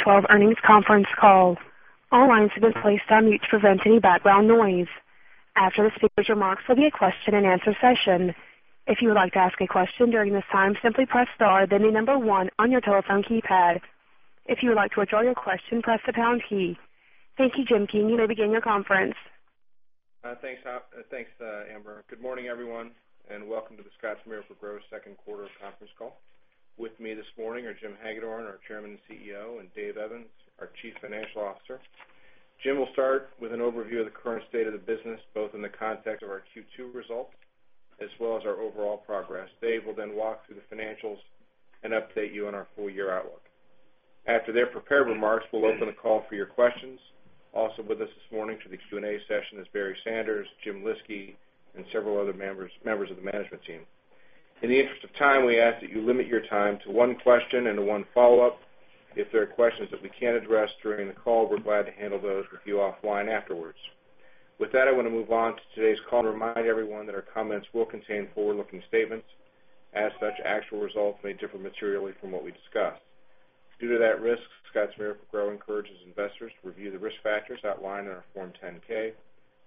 2012 earnings conference call. All lines have been placed on mute to prevent any background noise. After the speakers' remarks, there'll be a question-and-answer session. If you would like to ask a question during this time, simply press star, then the number 1 on your telephone keypad. If you would like to withdraw your question, press the pound key. Thank you, Jim. You may begin your conference. Thanks, Amber. Good morning, everyone, and welcome to the Scotts Miracle-Gro second quarter conference call. With me this morning are Jim Hagedorn, our Chairman and CEO, and David Evans, our Chief Financial Officer. Jim will start with an overview of the current state of the business, both in the context of our Q2 results, as well as our overall progress. Dave will then walk through the financials and update you on our full-year outlook. After their prepared remarks, we'll open the call for your questions. Also with us this morning for the Q&A session is Barry Sanders, James Lyski, and several other members of the management team. In the interest of time, we ask that you limit your time to one question and one follow-up. If there are questions that we can't address during the call, we're glad to handle those with you offline afterwards. I want to move on to today's call and remind everyone that our comments will contain forward-looking statements. As such, actual results may differ materially from what we discuss. Due to that risk, Scotts Miracle-Gro encourages investors to review the risk factors outlined in our Form 10-K,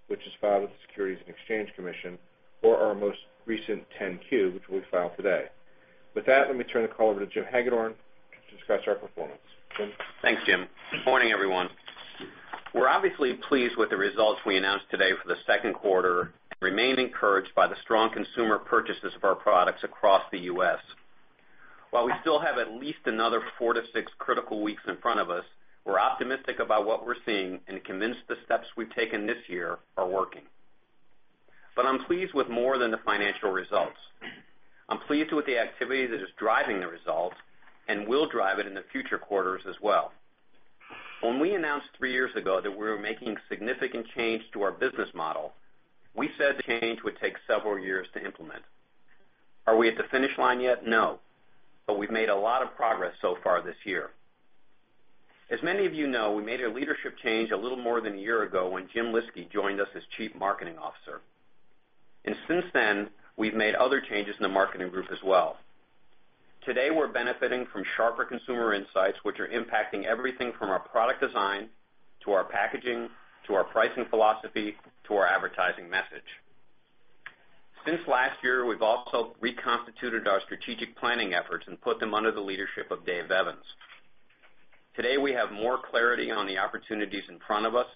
which is filed with the Securities and Exchange Commission or our most recent 10-Q, which we filed today. Let me turn the call over to Jim Hagedorn to discuss our performance. Jim? Thanks, Jim. Good morning, everyone. We're obviously pleased with the results we announced today for the second quarter and remain encouraged by the strong consumer purchases of our products across the U.S. While we still have at least another four to six critical weeks in front of us, we're optimistic about what we're seeing and convinced the steps we've taken this year are working. I'm pleased with more than the financial results. I'm pleased with the activity that is driving the results and will drive it in the future quarters as well. When we announced three years ago that we were making significant change to our business model, we said the change would take several years to implement. Are we at the finish line yet? No. We've made a lot of progress so far this year. As many of you know, we made a leadership change a little more than a year ago when Jim Lyski joined us as Chief Marketing Officer. Since then, we've made other changes in the marketing group as well. Today, we're benefiting from sharper consumer insights, which are impacting everything from our product design, to our packaging, to our pricing philosophy, to our advertising message. Since last year, we've also reconstituted our strategic planning efforts and put them under the leadership of Dave Evans. Today, we have more clarity on the opportunities in front of us.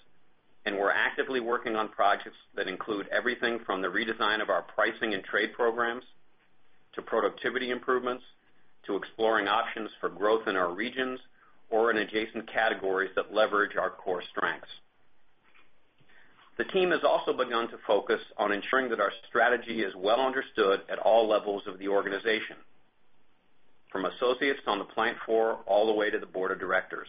We're actively working on projects that include everything from the redesign of our pricing and trade programs, to productivity improvements, to exploring options for growth in our regions or in adjacent categories that leverage our core strengths. The team has also begun to focus on ensuring that our strategy is well understood at all levels of the organization, from associates on the plant floor all the way to the board of directors,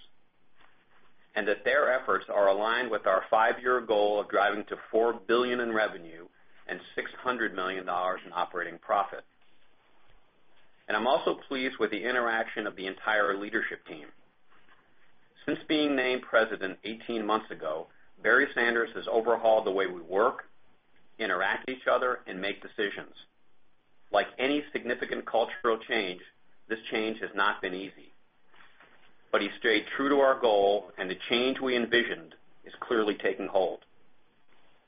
and that their efforts are aligned with our five-year goal of driving to $4 billion in revenue and $600 million in operating profit. I'm also pleased with the interaction of the entire leadership team. Since being named president 18 months ago, Barry Sanders has overhauled the way we work, interact with each other, and make decisions. Like any significant cultural change, this change has not been easy. He stayed true to our goal, and the change we envisioned is clearly taking hold.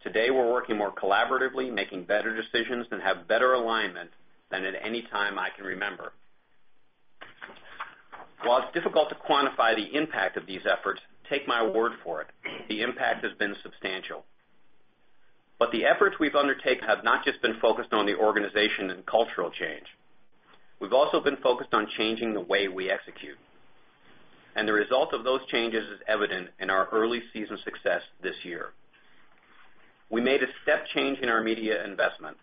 Today, we're working more collaboratively, making better decisions, and have better alignment than at any time I can remember. While it's difficult to quantify the impact of these efforts, take my word for it, the impact has been substantial. The efforts we've undertaken have not just been focused on the organization and cultural change. We've also been focused on changing the way we execute. The result of those changes is evident in our early season success this year. We made a step change in our media investment,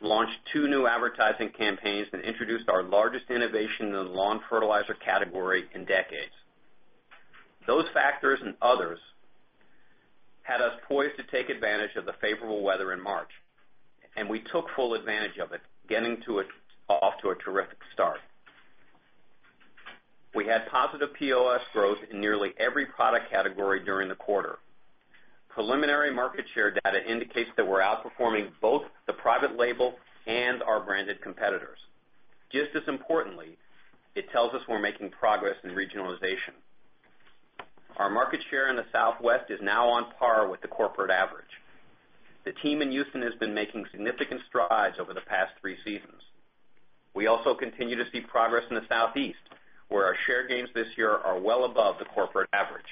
launched two new advertising campaigns, and introduced our largest innovation in the lawn fertilizer category in decades. Those factors and others had us poised to take advantage of the favorable weather in March. We took full advantage of it, getting off to a terrific start. We had positive POS growth in nearly every product category during the quarter. Preliminary market share data indicates that we're outperforming both the private label and our branded competitors. Just as importantly, it tells us we're making progress in regionalization. Our market share in the Southwest is now on par with the corporate average. The team in Houston has been making significant strides over the past three seasons. We also continue to see progress in the Southeast, where our share gains this year are well above the corporate average.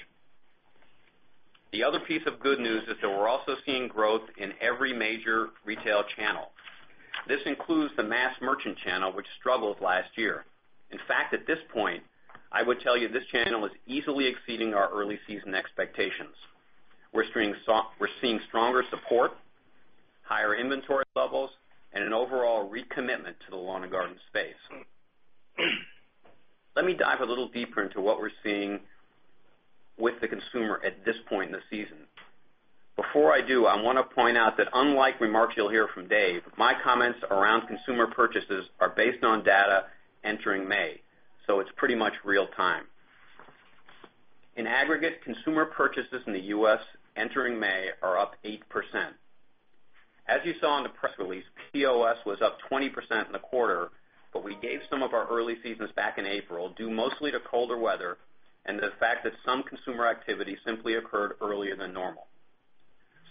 The other piece of good news is that we're also seeing growth in every major retail channel. This includes the mass merchant channel, which struggled last year. In fact, at this point, I would tell you this channel is easily exceeding our early season expectations. We're seeing stronger support, higher inventory levels, and an overall recommitment to the lawn and garden space. Let me dive a little deeper into what we're seeing with the consumer at this point in the season. Before I do, I want to point out that unlike remarks you'll hear from Dave, my comments around consumer purchases are based on data entering May, it's pretty much real time. In aggregate, consumer purchases in the U.S. entering May are up 8%. As you saw in the press release, POS was up 20% in the quarter, but we gave some of our early seasons back in April, due mostly to colder weather and the fact that some consumer activity simply occurred earlier than normal.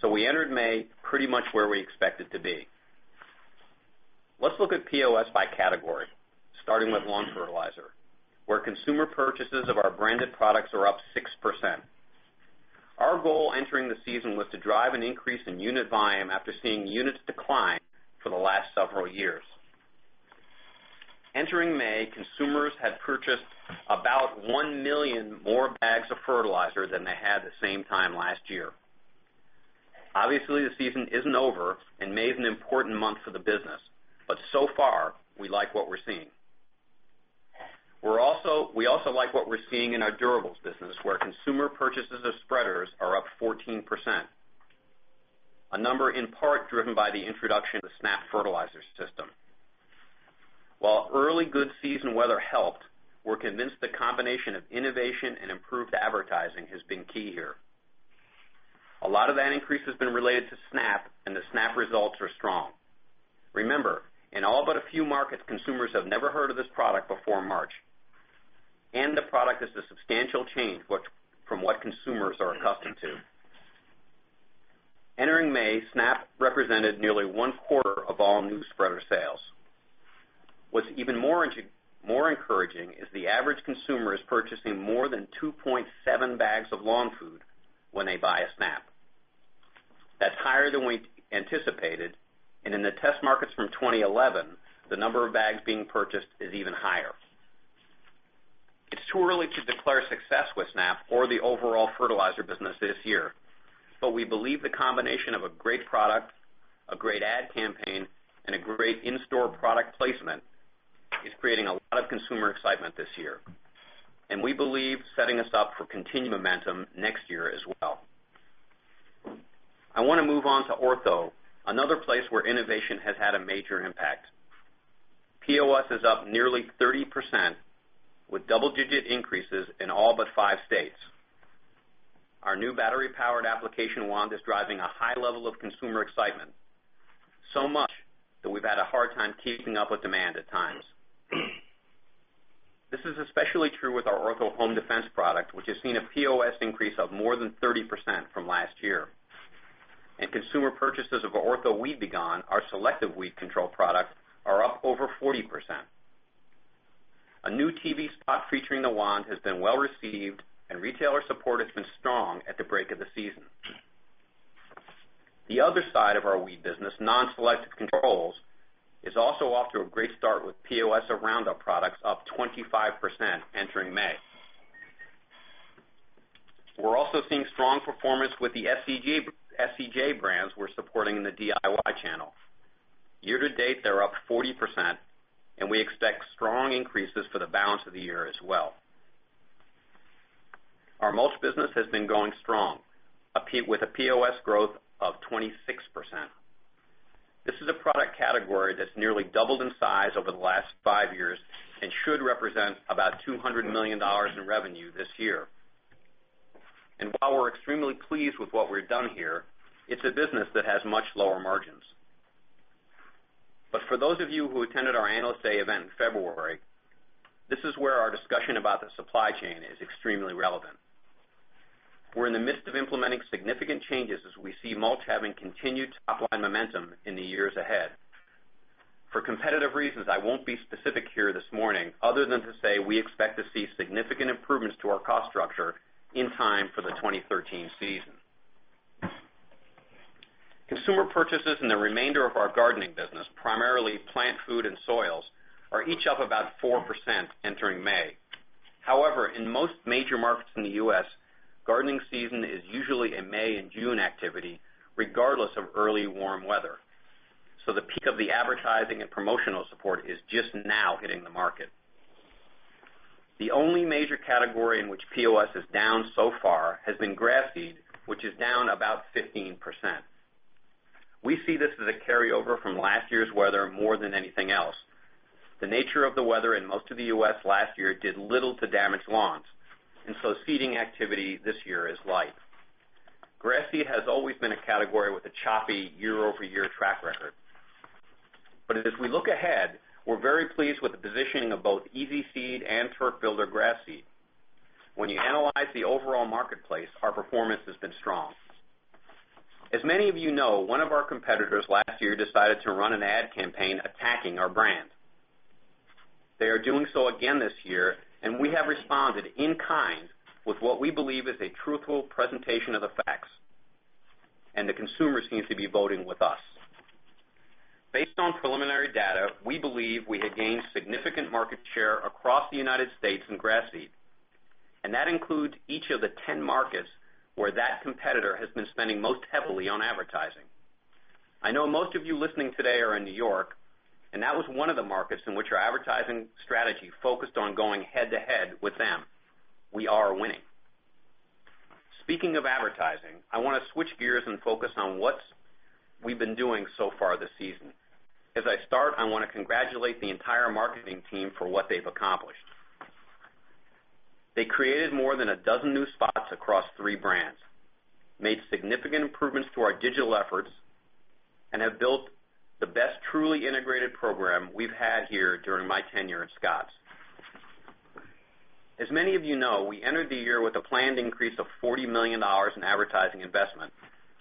We entered May pretty much where we expected to be. Let's look at POS by category, starting with lawn fertilizer, where consumer purchases of our branded products are up 6%. Our goal entering the season was to drive an increase in unit volume after seeing units decline for the last several years. Entering May, consumers had purchased about 1 million more bags of fertilizer than they had the same time last year. Obviously, the season isn't over, and May is an important month for the business. So far, we like what we're seeing. We also like what we're seeing in our durables business, where consumer purchases of spreaders are up 14%, a number in part driven by the introduction of the Snap Fertilizer System. While early good season weather helped, we're convinced the combination of innovation and improved advertising has been key here. A lot of that increase has been related to Snap, and the Snap results are strong. Remember, in all but a few markets, consumers have never heard of this product before March. The product is a substantial change from what consumers are accustomed to. Entering May, Snap represented nearly one-quarter of all new spreader sales. What's even more encouraging is the average consumer is purchasing more than 2.7 bags of lawn food when they buy a Snap. That's higher than we anticipated, and in the test markets from 2011, the number of bags being purchased is even higher. It's too early to declare success with Snap or the overall fertilizer business this year, but we believe the combination of a great product, a great ad campaign, and a great in-store product placement is creating a lot of consumer excitement this year, and we believe setting us up for continued momentum next year as well. I want to move on to Ortho, another place where innovation has had a major impact. POS is up nearly 30% with double-digit increases in all but five states. Our new battery-powered application wand is driving a high level of consumer excitement. Much that we've had a hard time keeping up with demand at times. This is especially true with our Ortho Home Defense product, which has seen a POS increase of more than 30% from last year. Consumer purchases of Ortho Weed-B-Gon, our selective weed control product, are up over 40%. A new TV spot featuring the wand has been well-received, and retailer support has been strong at the break of the season. The other side of our weed business, non-selective controls, is also off to a great start with POS of Roundup products up 25% entering May. We're also seeing strong performance with the SCJ brands we're supporting in the DIY channel. Year to date, they're up 40%, and we expect strong increases for the balance of the year as well. Our mulch business has been going strong, with a POS growth of 26%. This is a product category that's nearly doubled in size over the last five years and should represent about $200 million in revenue this year. While we're extremely pleased with what we've done here, it's a business that has much lower margins. For those of you who attended our Analyst Day event in February, this is where our discussion about the supply chain is extremely relevant. We're in the midst of implementing significant changes as we see mulch having continued top-line momentum in the years ahead. For competitive reasons, I won't be specific here this morning, other than to say we expect to see significant improvements to our cost structure in time for the 2013 season. Consumer purchases in the remainder of our gardening business, primarily plant food and soils, are each up about 4% entering May. However, in most major markets in the U.S., gardening season is usually a May and June activity, regardless of early warm weather. The peak of the advertising and promotional support is just now hitting the market. The only major category in which POS is down so far has been grass seed, which is down about 15%. We see this as a carryover from last year's weather more than anything else. The nature of the weather in most of the U.S. last year did little to damage lawns, seeding activity this year is light. Grass seed has always been a category with a choppy year-over-year track record. As we look ahead, we're very pleased with the positioning of both EZ Seed and Turf Builder grass seed. When you analyze the overall marketplace, our performance has been strong. As many of you know, one of our competitors last year decided to run an ad campaign attacking our brand. They are doing so again this year, we have responded in kind with what we believe is a truthful presentation of the facts, the consumers seem to be voting with us. Based on preliminary data, we believe we have gained significant market share across the U.S. in grass seed, that includes each of the 10 markets where that competitor has been spending most heavily on advertising. I know most of you listening today are in New York, that was one of the markets in which our advertising strategy focused on going head to head with them. We are winning. Speaking of advertising, I want to switch gears and focus on what we've been doing so far this season. As I start, I want to congratulate the entire marketing team for what they've accomplished. They created more than a dozen new spots across three brands, made significant improvements to our digital efforts, have built the best truly integrated program we've had here during my tenure at Scotts. As many of you know, we entered the year with a planned increase of $40 million in advertising investment,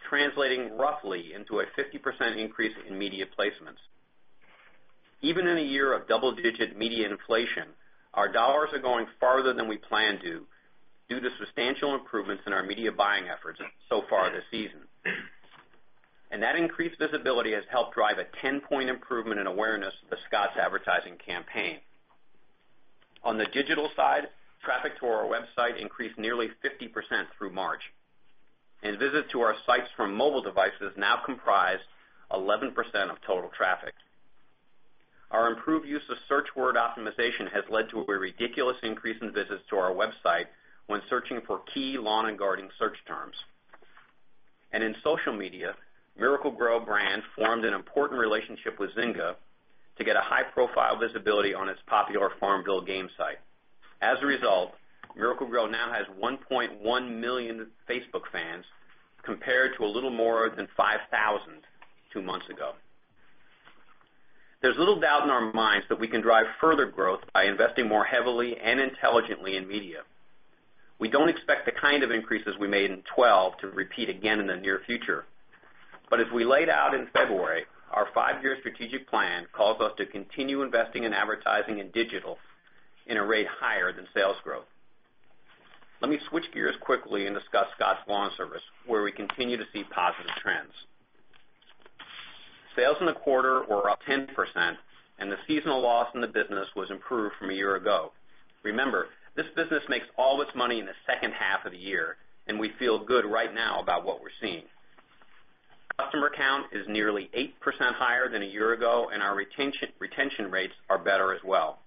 translating roughly into a 50% increase in media placements. Even in a year of double-digit media inflation, our dollars are going farther than we planned to, due to substantial improvements in our media buying efforts so far this season. That increased visibility has helped drive a 10-point improvement in awareness of the Scotts advertising campaign. On the digital side, traffic to our website increased nearly 50% through March, and visits to our sites from mobile devices now comprise 11% of total traffic. Our improved use of search word optimization has led to a ridiculous increase in visits to our website when searching for key lawn and garden search terms. In social media, Miracle-Gro brand formed an important relationship with Zynga to get a high-profile visibility on its popular FarmVille game site. As a result, Miracle-Gro now has 1.1 million Facebook fans, compared to a little more than 5,000 two months ago. There's little doubt in our minds that we can drive further growth by investing more heavily and intelligently in media. We don't expect the kind of increases we made in 2012 to repeat again in the near future. As we laid out in February, our five-year strategic plan calls us to continue investing in advertising and digital in a rate higher than sales growth. Let me switch gears quickly and discuss Scotts LawnService, where we continue to see positive trends. Sales in the quarter were up 10%, and the seasonal loss in the business was improved from a year ago. Remember, this business makes all its money in the second half of the year, and we feel good right now about what we're seeing. Customer count is nearly 8% higher than a year ago, and our retention rates are better as well.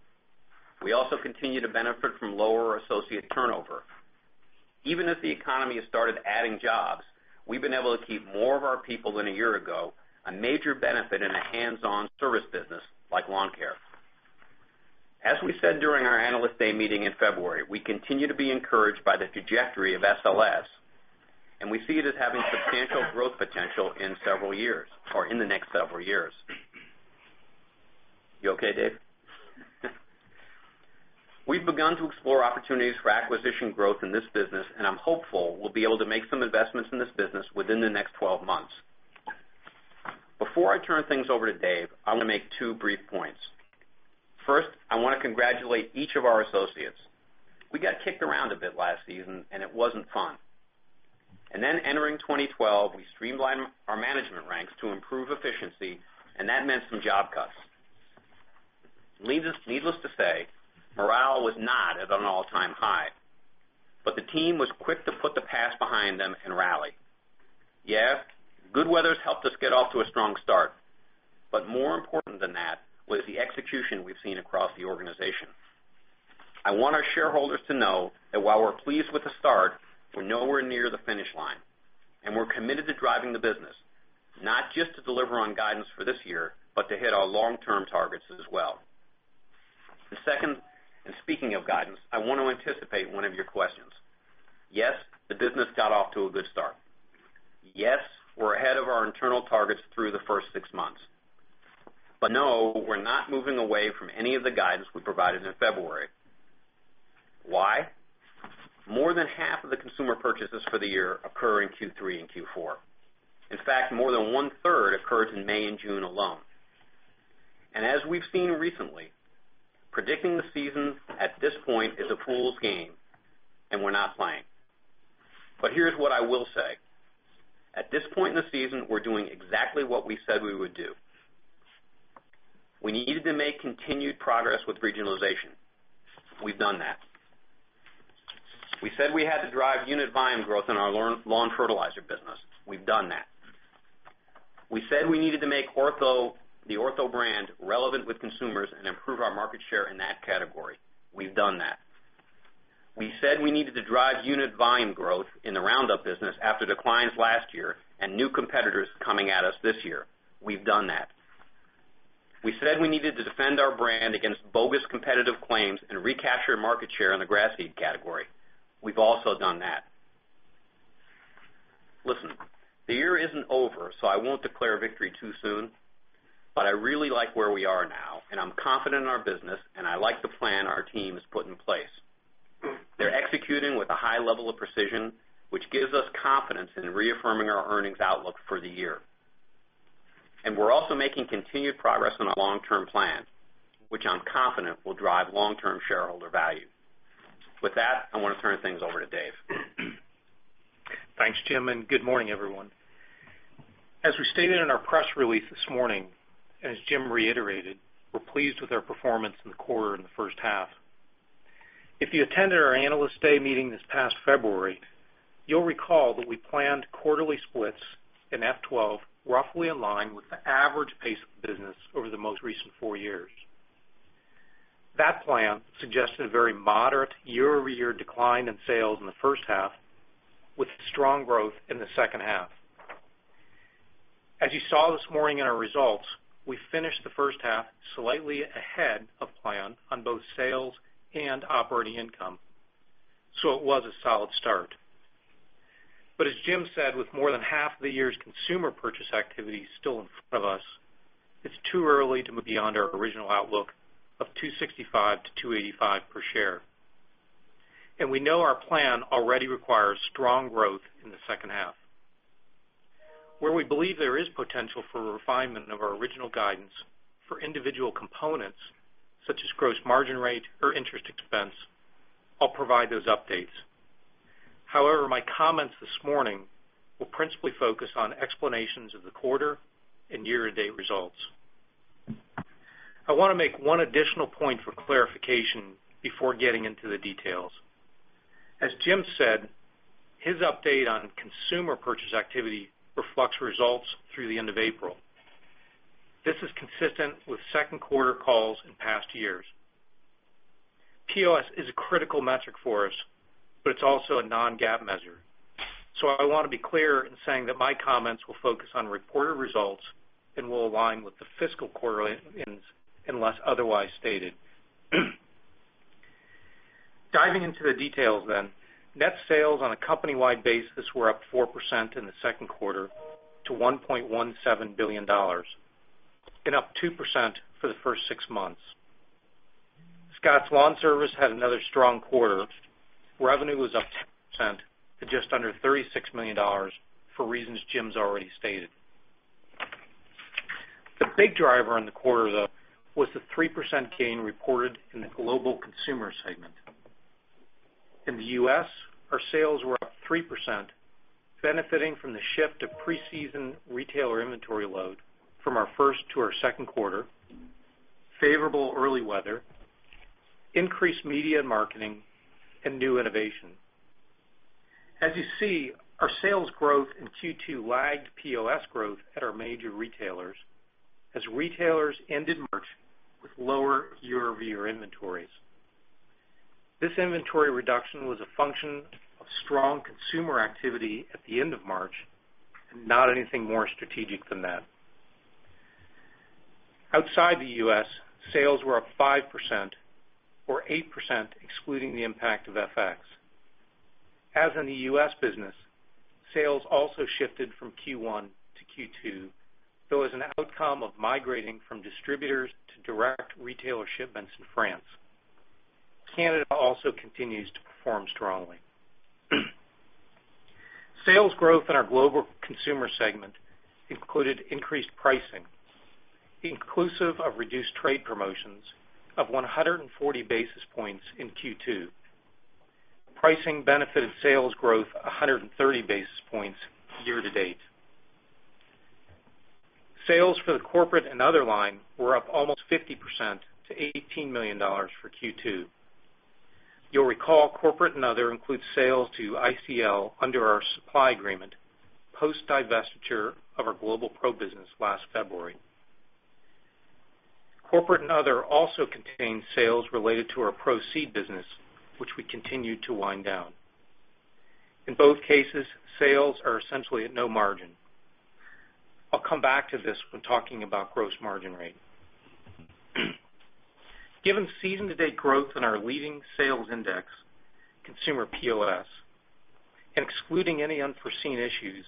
We also continue to benefit from lower associate turnover. Even as the economy has started adding jobs, we've been able to keep more of our people than a year ago, a major benefit in a hands-on service business like lawn care. As we said during our Analyst Day meeting in February, we continue to be encouraged by the trajectory of SLS, and we see it as having substantial growth potential in the next several years. You okay, Dave? We've begun to explore opportunities for acquisition growth in this business, and I'm hopeful we'll be able to make some investments in this business within the next 12 months. Before I turn things over to Dave, I want to make two brief points. First, I want to congratulate each of our associates. We got kicked around a bit last season, and it wasn't fun. Then entering 2012, we streamlined our management ranks to improve efficiency, and that meant some job cuts. Needless to say, morale was not at an all-time high. The team was quick to put the past behind them and rally. Yes, good weather's helped us get off to a strong start. More important than that was the execution we've seen across the organization. I want our shareholders to know that while we're pleased with the start, we're nowhere near the finish line, and we're committed to driving the business, not just to deliver on guidance for this year, but to hit our long-term targets as well. The second, speaking of guidance, I want to anticipate one of your questions. Yes, the business got off to a good start. Yes, we're ahead of our internal targets through the first six months. No, we're not moving away from any of the guidance we provided in February. Why? More than half of the consumer purchases for the year occur in Q3 and Q4. In fact, more than one-third occurs in May and June alone. As we've seen recently, predicting the season at this point is a fool's game, we're not playing. Here's what I will say. At this point in the season, we're doing exactly what we said we would do. We needed to make continued progress with regionalization. We've done that. We said we had to drive unit volume growth in our lawn fertilizer business. We've done that. We said we needed to make the Ortho brand relevant with consumers and improve our market share in that category. We've done that. We said we needed to drive unit volume growth in the Roundup business after declines last year and new competitors coming at us this year. We've done that. We said we needed to defend our brand against bogus competitive claims and recapture market share in the grass seed category. We've also done that. Listen, the year isn't over, so I won't declare victory too soon, but I really like where we are now, and I'm confident in our business, and I like the plan our team has put in place. They're executing with a high level of precision, which gives us confidence in reaffirming our earnings outlook for the year. We're also making continued progress on our long-term plan, which I'm confident will drive long-term shareholder value. With that, I want to turn things over to Dave. Thanks, Jim, and good morning, everyone. As we stated in our press release this morning, and as Jim reiterated, we're pleased with our performance in the quarter in the first half. If you attended our Analyst Day meeting this past February, you'll recall that we planned quarterly splits in FY 2012 roughly in line with the average pace of business over the most recent 4 years. That plan suggested a very moderate year-over-year decline in sales in the first half with strong growth in the second half. As you saw this morning in our results, we finished the first half slightly ahead of plan on both sales and operating income. It was a solid start. As Jim said, with more than half of the year's consumer purchase activity still in front of us, it's too early to move beyond our original outlook of $2.65 to $2.85 per share. We know our plan already requires strong growth in the second half. Where we believe there is potential for refinement of our original guidance for individual components, such as gross margin rate or interest expense, I'll provide those updates. However, my comments this morning will principally focus on explanations of the quarter and year-to-date results. I want to make one additional point for clarification before getting into the details. As Jim said, his update on consumer purchase activity reflects results through the end of April. This is consistent with second quarter calls in past years. POS is a critical metric for us, but it's also a non-GAAP measure. I want to be clear in saying that my comments will focus on reported results and will align with the fiscal quarter unless otherwise stated. Diving into the details, net sales on a company-wide basis were up 4% in the second quarter to $1.17 billion and up 2% for the first six months. Scotts LawnService had another strong quarter. Revenue was up 10% to just under $36 million for reasons Jim's already stated. The big driver in the quarter, though, was the 3% gain reported in the global consumer segment. In the U.S., our sales were up 3%, benefiting from the shift of pre-season retailer inventory load from our first to our second quarter, favorable early weather, increased media and marketing, and new innovation. As you see, our sales growth in Q2 lagged POS growth at our major retailers as retailers ended March with lower year-over-year inventories. This inventory reduction was a function of strong consumer activity at the end of March and not anything more strategic than that. Outside the U.S., sales were up 5%, or 8% excluding the impact of FX. As in the U.S. business, sales also shifted from Q1 to Q2, though as an outcome of migrating from distributors to direct retailer shipments in France. Canada also continues to perform strongly. Sales growth in our global consumer segment included increased pricing, inclusive of reduced trade promotions of 140 basis points in Q2. Pricing benefited sales growth 130 basis points year-to-date. Sales for the corporate and other line were up almost 50% to $18 million for Q2. You'll recall corporate and other includes sales to ICL under our supply agreement, post divestiture of our global pro business last February. Corporate and other also contains sales related to our Pro-Seed business, which we continue to wind down. In both cases, sales are essentially at no margin. I'll come back to this when talking about gross margin rate. Given season-to-date growth in our leading sales index, consumer POS, and excluding any unforeseen issues,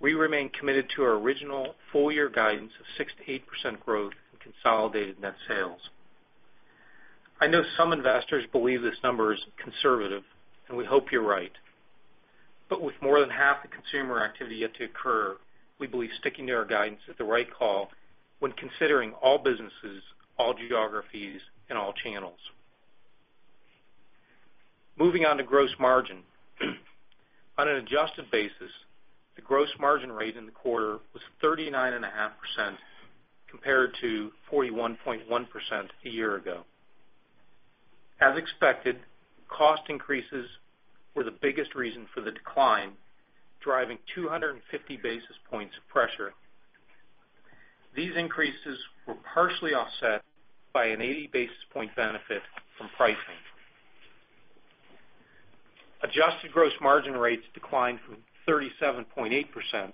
we remain committed to our original full year guidance of 6%-8% growth in consolidated net sales. I know some investors believe this number is conservative, and we hope you're right. With more than half the consumer activity yet to occur, we believe sticking to our guidance is the right call when considering all businesses, all geographies, and all channels. Moving on to gross margin. On an adjusted basis, the gross margin rate in the quarter was 39.5% compared to 41.1% a year ago. As expected, cost increases were the biggest reason for the decline, driving 250 basis points of pressure. These increases were partially offset by an 80 basis point benefit from pricing. Adjusted gross margin rates declined from 37.8%-35.2%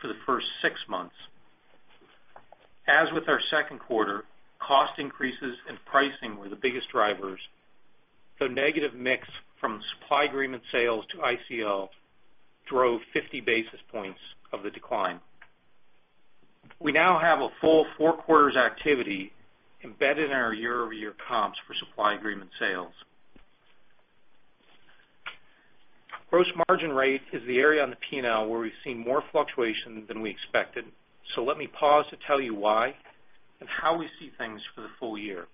for the first six months. As with our second quarter, cost increases and pricing were the biggest drivers, though negative mix from supply agreement sales to ICL drove 50 basis points of the decline. We now have a full four quarters activity embedded in our year-over-year comps for supply agreement sales. Gross margin rate is the area on the P&L where we've seen more fluctuation than we expected, so let me pause to tell you why and how we see things for the full year.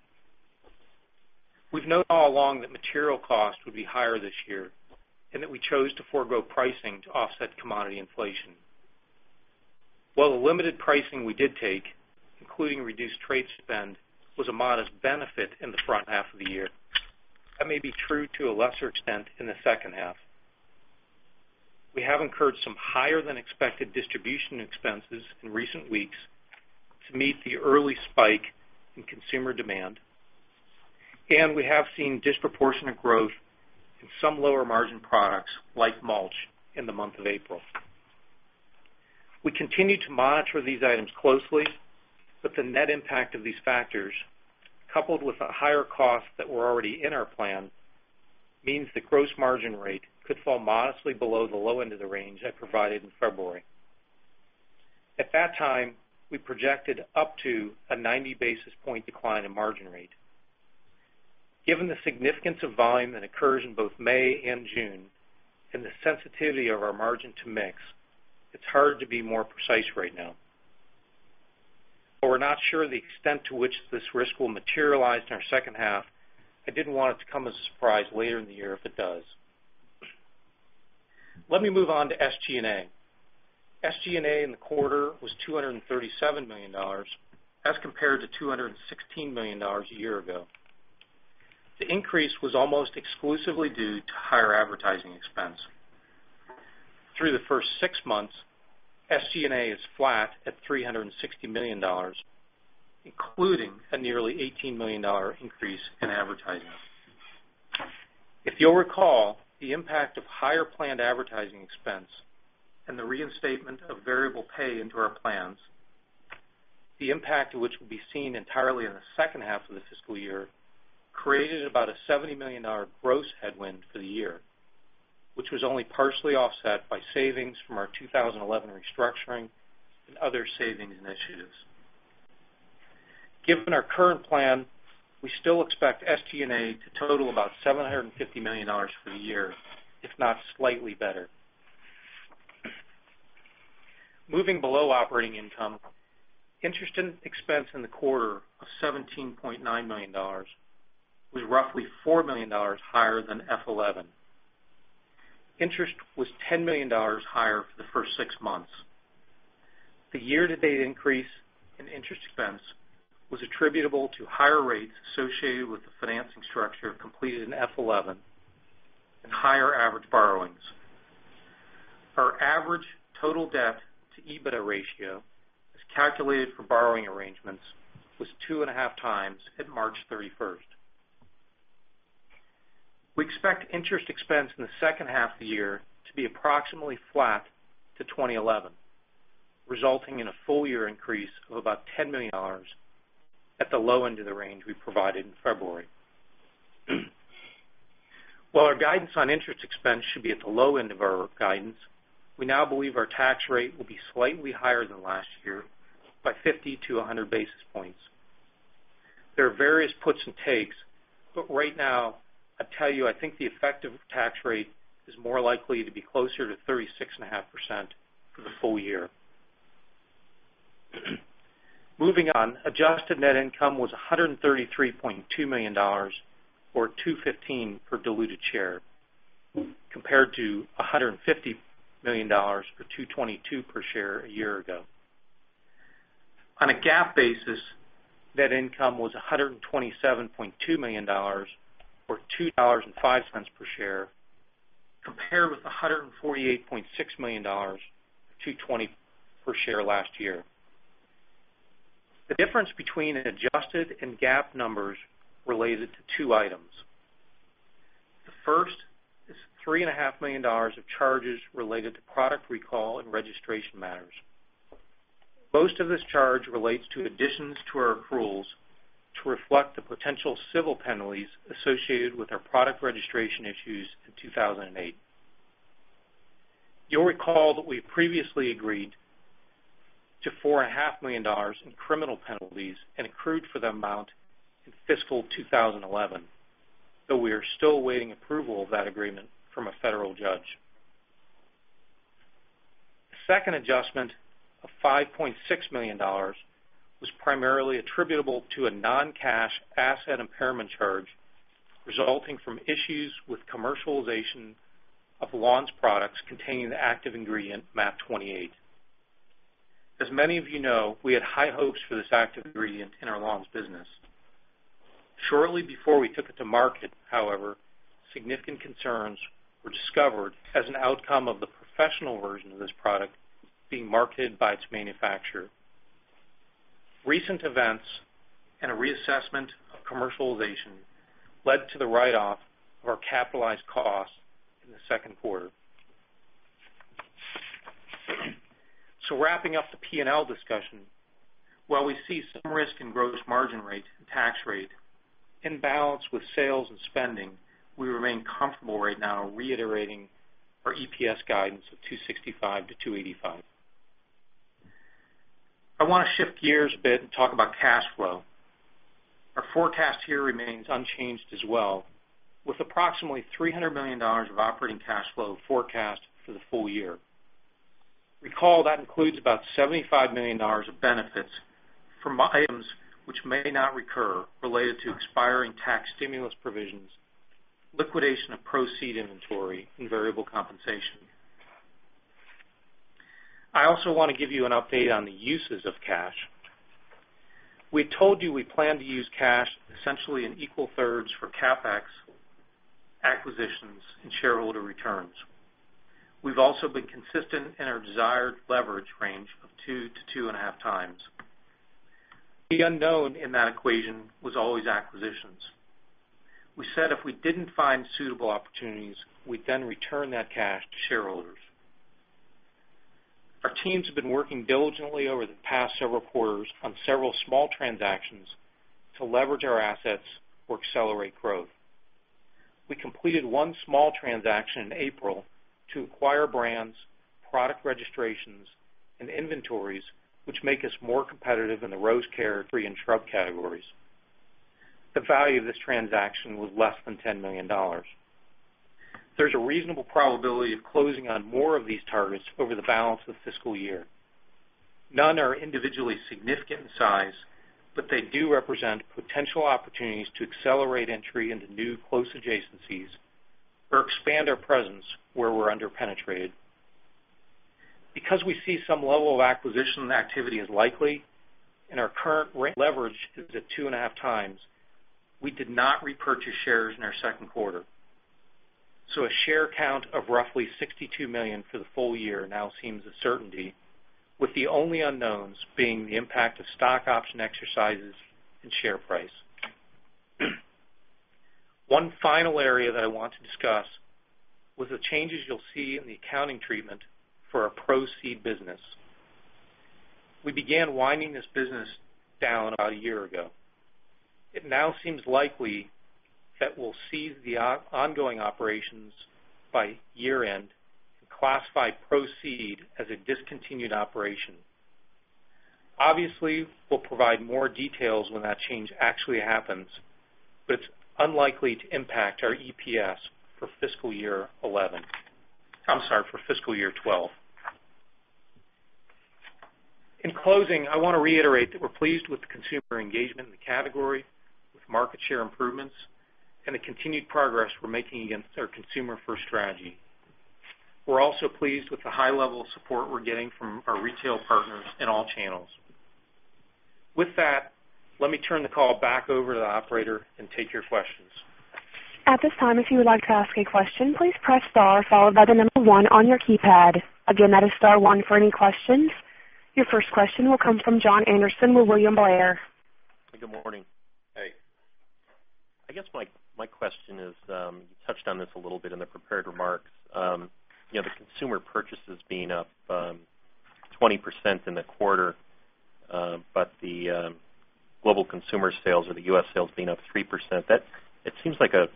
We've known all along that material cost would be higher this year and that we chose to forgo pricing to offset commodity inflation. While the limited pricing we did take, including reduced trade spend, was a modest benefit in the front half of the year. That may be true to a lesser extent in the second half. We have incurred some higher than expected distribution expenses in recent weeks to meet the early spike in consumer demand. We have seen disproportionate growth in some lower margin products, like mulch, in the month of April. We continue to monitor these items closely, the net impact of these factors, coupled with the higher costs that were already in our plan, means the gross margin rate could fall modestly below the low end of the range I provided in February. At that time, we projected up to a 90 basis point decline in margin rate. Given the significance of volume that occurs in both May and June, and the sensitivity of our margin to mix, it's hard to be more precise right now. We're not sure the extent to which this risk will materialize in our second half. I didn't want it to come as a surprise later in the year if it does. Let me move on to SG&A. SG&A in the quarter was $237 million as compared to $216 million a year ago. The increase was almost exclusively due to higher advertising expense. Through the first six months, SG&A is flat at $360 million, including a nearly $18 million increase in advertising. If you'll recall, the impact of higher planned advertising expense and the reinstatement of variable pay into our plans, the impact of which will be seen entirely in the second half of the fiscal year, created about a $70 million gross headwind for the year, which was only partially offset by savings from our 2011 restructuring and other savings initiatives. Given our current plan, we still expect SG&A to total about $750 million for the year, if not slightly better. Moving below operating income, interest expense in the quarter of $17.9 million was roughly $4 million higher than FY 2011. Interest was $10 million higher for the first six months. The year-to-date increase in interest expense was attributable to higher rates associated with the financing structure completed in FY 2011 and higher average borrowings. Our average total debt to EBITDA ratio, as calculated for borrowing arrangements, was two and a half times at March 31st. We expect interest expense in the second half of the year to be approximately flat to 2011, resulting in a full-year increase of about $10 million at the low end of the range we provided in February. While our guidance on interest expense should be at the low end of our guidance, we now believe our tax rate will be slightly higher than last year by 50 to 100 basis points. There are various puts and takes, right now, I tell you, I think the effective tax rate is more likely to be closer to 36.5% for the full year. Moving on, adjusted net income was $133.2 million, or $2.15 per diluted share, compared to $150 million, or $2.22 per share a year ago. On a GAAP basis, net income was $127.2 million, or $2.05 per share, compared with $148.6 million, $2.20 per share last year. The difference between adjusted and GAAP numbers related to two items. The first is $3.5 million of charges related to product recall and registration matters. Most of this charge relates to additions to our accruals to reflect the potential civil penalties associated with our product registration issues in 2008. You'll recall that we previously agreed to $4.5 million in criminal penalties and accrued for the amount in fiscal 2011, though we are still awaiting approval of that agreement from a federal judge. The second adjustment of $5.6 million was primarily attributable to a non-cash asset impairment charge resulting from issues with commercialization of lawns products containing the active ingredient MAP 28. As many of you know, we had high hopes for this active ingredient in our lawns business. Shortly before we took it to market, however, significant concerns were discovered as an outcome of the professional version of this product being marketed by its manufacturer. Recent events and a reassessment of commercialization led to the write-off of our capitalized costs in the second quarter. Wrapping up the P&L discussion, while we see some risk in gross margin rate and tax rate, in balance with sales and spending, we remain comfortable right now reiterating our EPS guidance of $2.65-$2.85. I want to shift gears a bit and talk about cash flow. Our forecast here remains unchanged as well, with approximately $300 million of operating cash flow forecast for the full year. Recall that includes about $75 million of benefits from items which may not recur related to expiring tax stimulus provisions, liquidation of Pro-Seed inventory, and variable compensation. I also want to give you an update on the uses of cash. We told you we plan to use cash essentially in equal thirds for CapEx, acquisitions, and shareholder returns. We've also been consistent in our desired leverage range of 2 to 2.5 times. The unknown in that equation was always acquisitions. We said if we didn't find suitable opportunities, we'd then return that cash to shareholders. Our teams have been working diligently over the past several quarters on several small transactions to leverage our assets or accelerate growth. We completed one small transaction in April to acquire brands, product registrations, and inventories, which make us more competitive in the rose care, tree, and shrub categories. The value of this transaction was less than $10 million. There's a reasonable probability of closing on more of these targets over the balance of the fiscal year. None are individually significant in size, but they do represent potential opportunities to accelerate entry into new close adjacencies or expand our presence where we're under-penetrated. We see some level of acquisition activity as likely and our current leverage is at 2.5 times, we did not repurchase shares in our second quarter. A share count of roughly 62 million for the full year now seems a certainty, with the only unknowns being the impact of stock option exercises and share price. One final area that I want to discuss was the changes you'll see in the accounting treatment for our Pro-Seed business. We began winding this business down about a year ago. It now seems likely that we'll cease the ongoing operations by year-end and classify Pro-Seed as a discontinued operation. Obviously, we'll provide more details when that change actually happens, but it's unlikely to impact our EPS for fiscal year 2011. I'm sorry, for fiscal year 2012. In closing, I want to reiterate that we're pleased with the consumer engagement in the category, with market share improvements, and the continued progress we're making against our consumer-first strategy. We're also pleased with the high level of support we're getting from our retail partners in all channels. With that, let me turn the call back over to the operator and take your questions. At this time, if you would like to ask a question, please press star followed by the number 1 on your keypad. Again, that is star 1 for any questions. Your first question will come from Jon Andersen with William Blair. Good morning. Hey. I guess my question is, you touched on this a little bit in the prepared remarks. The consumer purchases being up 20% in the quarter, but the global consumer sales or the U.S. sales being up 3%. That seems like a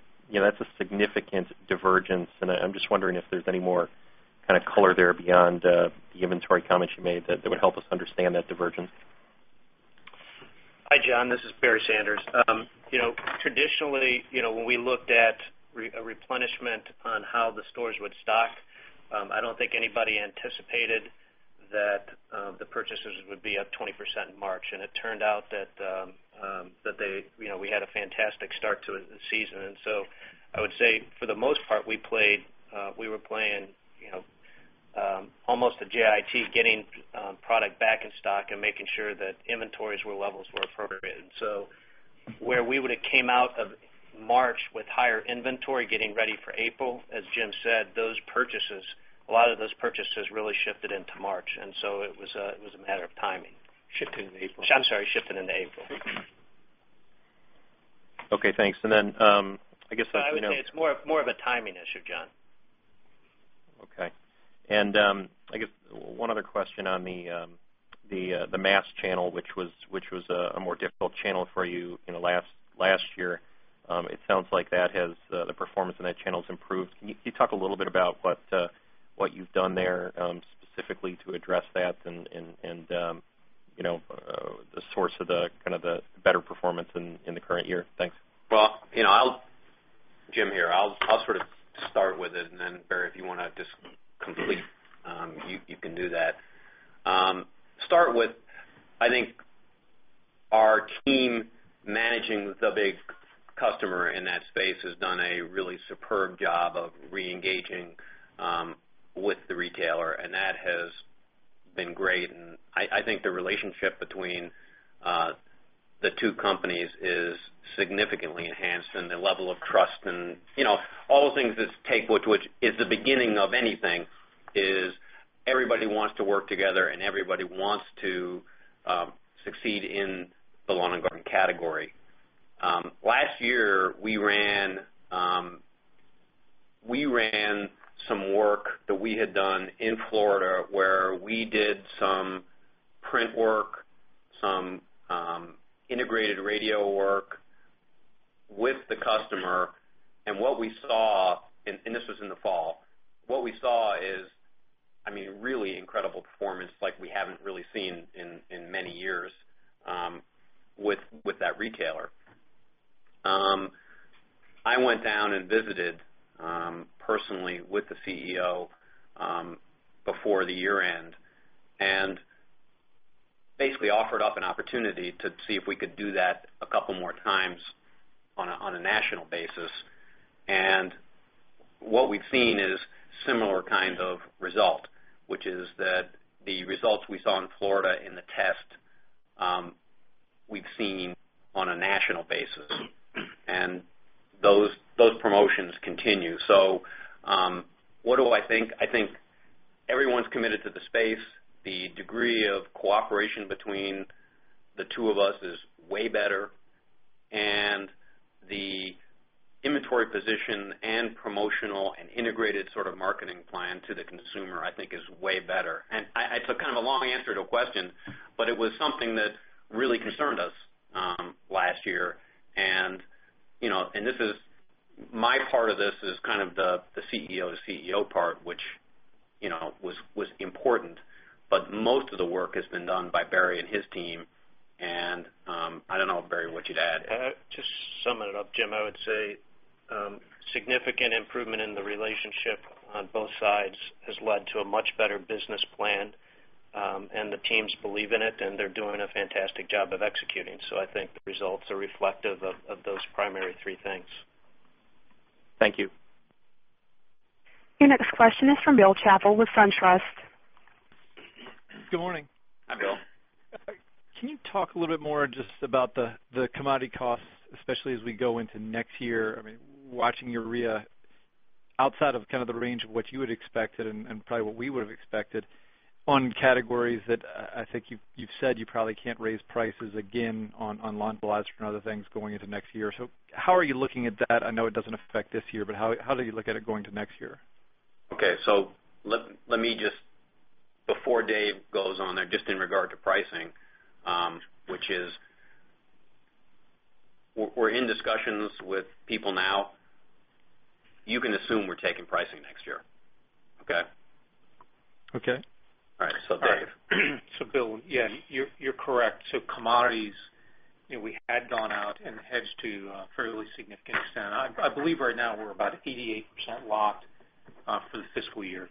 significant divergence, and I'm just wondering if there's any more kind of color there beyond the inventory comments you made that would help us understand that divergence. Hi, Jon, this is Barry Sanders. Traditionally, when we looked at a replenishment on how the stores would stock, I don't think anybody anticipated that the purchases would be up 20% in March. It turned out that we had a fantastic start to the season. I would say, for the most part, we were playing almost a JIT, getting product back in stock and making sure that inventories levels were appropriate. Where we would've came out of March with higher inventory getting ready for April, as Jim said, a lot of those purchases really shifted into March, so it was a matter of timing. Shifting into April. I'm sorry, shifted into April. Okay, thanks. I would say it's more of a timing issue, Jon. Okay. I guess one other question on the mass channel, which was a more difficult channel for you last year. It sounds like the performance in that channel's improved. Can you talk a little bit about what you've done there specifically to address that and the source of the better performance in the current year? Thanks. Well, Jim here. I'll sort of start with it, and then Barry, if you want to just complete, you can do that. Start with, I think our team managing the big customer in that space has done a really superb job of re-engaging with the retailer. That has been great. I think the relationship between the two companies is significantly enhanced and the level of trust and all the things it takes, which is the beginning of anything, is everybody wants to work together and everybody wants to succeed in the lawn and garden category. Last year, we ran some work that we had done in Florida, where we did some print work, some integrated radio work with the customer. This was in the fall. What we saw is really incredible performance like we haven't really seen in many years with that retailer. I went down and visited personally with the CEO before the year-end, and basically offered up an opportunity to see if we could do that a couple more times on a national basis. What we've seen is similar kind of result, which is that the results we saw in Florida in the test We've seen on a national basis, those promotions continue. What do I think? I think everyone's committed to the space. The degree of cooperation between the two of us is way better, and the inventory position and promotional and integrated sort of marketing plan to the consumer, I think is way better. It's a kind of a long answer to a question, but it was something that really concerned us last year. My part of this is kind of the CEO to CEO part, which was important, but most of the work has been done by Barry and his team, I don't know, Barry, what you'd add. To sum it up, Jim, I would say significant improvement in the relationship on both sides has led to a much better business plan. The teams believe in it, and they're doing a fantastic job of executing. I think the results are reflective of those primary three things. Thank you. Your next question is from Bill Chappell with SunTrust. Good morning. Hi, Bill. Can you talk a little bit more just about the commodity costs, especially as we go into next year? Watching urea outside of kind of the range of what you had expected and probably what we would have expected on categories that I think you've said you probably can't raise prices again on lawn fertilizer and other things going into next year. How are you looking at that? I know it doesn't affect this year, but how do you look at it going to next year? Okay. Let me just, before Dave goes on there, just in regard to pricing, which is we're in discussions with people now. You can assume we're taking pricing next year. Okay? Okay. All right. Dave. Bill, yeah, you're correct. Commodities we had gone out and hedged to a fairly significant extent. I believe right now we're about 88% locked for the fiscal year.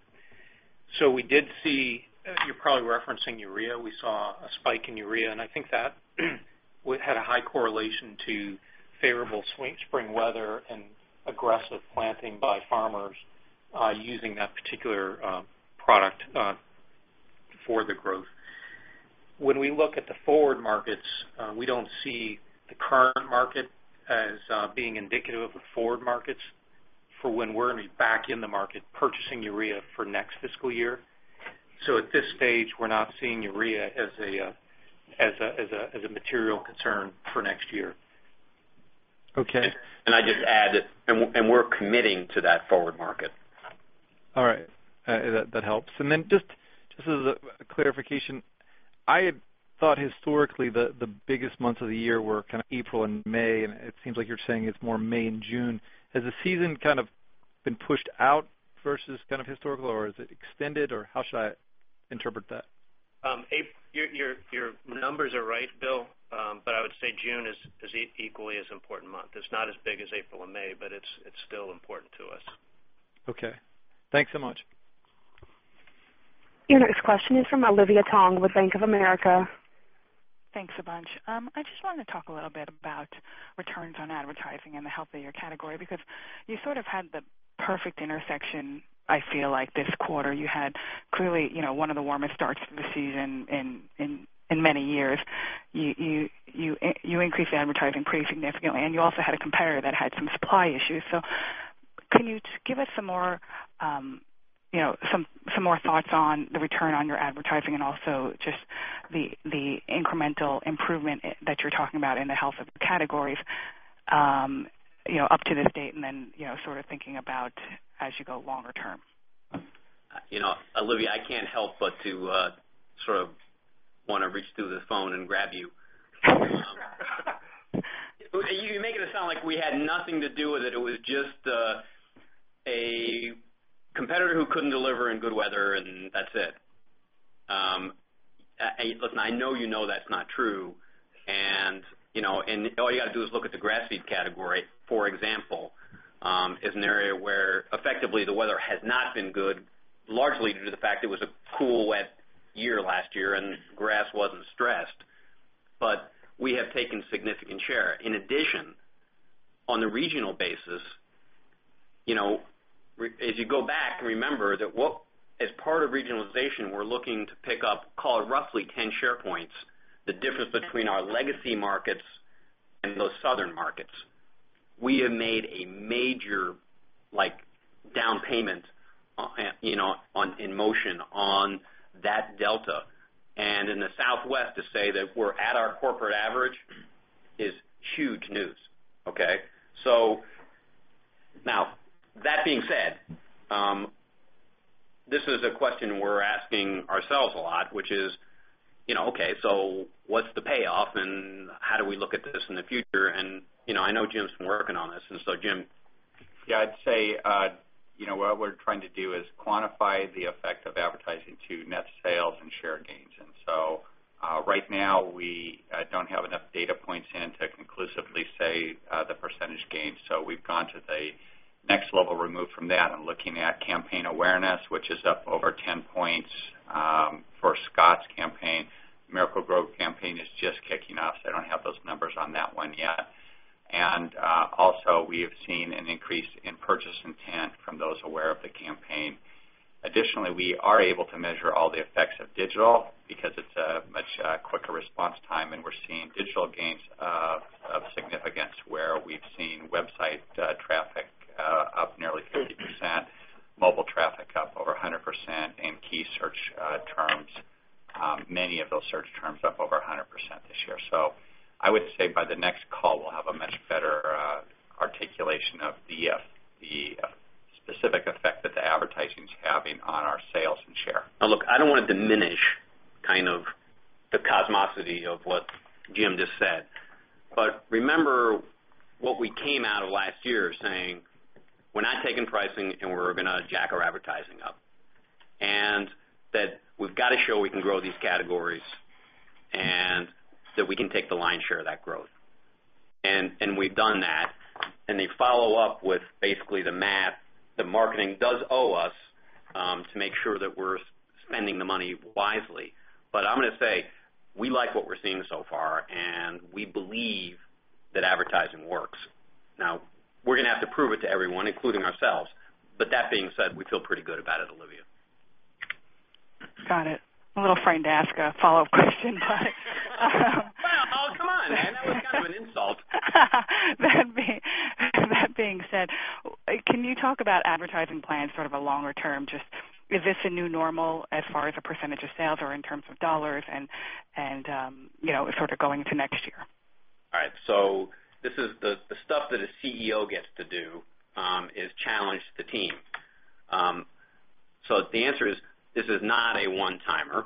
We did see, you're probably referencing urea. We saw a spike in urea, and I think that had a high correlation to favorable spring weather and aggressive planting by farmers using that particular product for the growth. When we look at the forward markets, we don't see the current market as being indicative of the forward markets for when we're going to be back in the market purchasing urea for next fiscal year. At this stage, we're not seeing urea as a material concern for next year. Okay. I'd just add that we're committing to that forward market. All right. That helps. Just as a clarification, I had thought historically the biggest months of the year were kind of April and May, and it seems like you're saying it's more May and June. Has the season kind of been pushed out versus kind of historical, or is it extended, or how should I interpret that? Your numbers are right, Bill. I would say June is equally as important month. It is not as big as April and May, but it is still important to us. Okay. Thanks so much. Your next question is from Olivia Tong with Bank of America. Thanks a bunch. I just wanted to talk a little bit about returns on advertising in the health of your category, because you sort of had the perfect intersection, I feel like this quarter. You had clearly one of the warmest starts to the season in many years. You increased the advertising pretty significantly, and you also had a competitor that had some supply issues. Can you give us some more thoughts on the return on your advertising and also just the incremental improvement that you are talking about in the health of the categories up to this date and then sort of thinking about as you go longer term? Olivia, I can't help but to sort of want to reach through the phone and grab you. You're making it sound like we had nothing to do with it. It was just a competitor who couldn't deliver in good weather, and that's it. Listen, I know you know that's not true, and all you got to do is look at the grass seed category, for example, as an area where effectively the weather has not been good, largely due to the fact it was a cool, wet year last year and grass wasn't stressed. We have taken significant share. In addition, on a regional basis, as you go back, remember that as part of regionalization, we're looking to pick up, call it, roughly 10 share points, the difference between our legacy markets and those southern markets. We have made a major down payment in motion on that delta, and in the Southwest to say that we're at our corporate average is huge news. Okay? Now that being said this is a question we're asking ourselves a lot, which is, okay, so what's the payoff and how do we look at this in the future? I know Jim's been working on this, Jim. Yeah, I'd say what we're trying to do is quantify the effect of advertising to net sales and share gains. Right now we don't have enough data points in to conclusively say the percentage gains. We've gone to the next level removed from that and looking at campaign awareness, which is up over 10 points for Scotts campaign. Miracle-Gro campaign is just kicking off, so I don't have those numbers on that one yet. Also we have seen an increase in purchase intent from those aware of the campaign. Additionally, we are able to measure all the effects of digital because it's a much quicker response time, and we're seeing digital gains of significance where we've seen website traffic up nearly 50%, mobile traffic up over 100% in key search terms, many of those search terms up over 100% this year. I would say by the next call, we'll have a much better articulation of the specific effect that the advertising's having on our sales and share. Look, I don't want to diminish kind of the cosmosity of what Jim just said, but remember what we came out of last year saying, "We're not taking pricing, and we're going to jack our advertising up," and that we've got to show we can grow these categories and that we can take the lion's share of that growth. We've done that, and they follow up with basically the math. The marketing does owe us to make sure that we're spending the money wisely. I'm going to say, we like what we're seeing so far, and we believe that advertising works. We're going to have to prove it to everyone, including ourselves. That being said, we feel pretty good about it, Olivia. Got it. I'm a little afraid to ask a follow-up question. Well, come on. That was kind of an insult. That being said, can you talk about advertising plans sort of a longer term? Just is this a new normal as far as a percentage of sales or in terms of dollars and sort of going into next year? This is the stuff that a CEO gets to do: is challenge the team. The answer is, this is not a one-timer.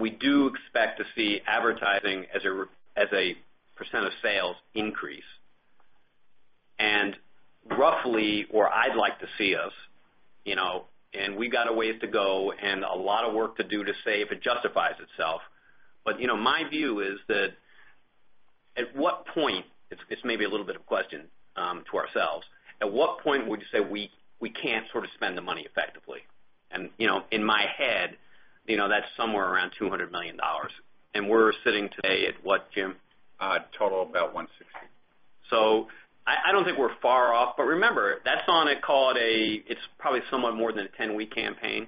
We do expect to see advertising as a % of sales increase. Roughly where I'd like to see us, and we've got a ways to go and a lot of work to do to say if it justifies itself. My view is that at what point, it's maybe a little bit of question to ourselves, at what point would you say we can't sort of spend the money effectively? In my head that's somewhere around $200 million. We're sitting today at what, Jim? Total about $160 million. I don't think we're far off, but remember, that's on a call at a, it's probably somewhat more than a 10-week campaign.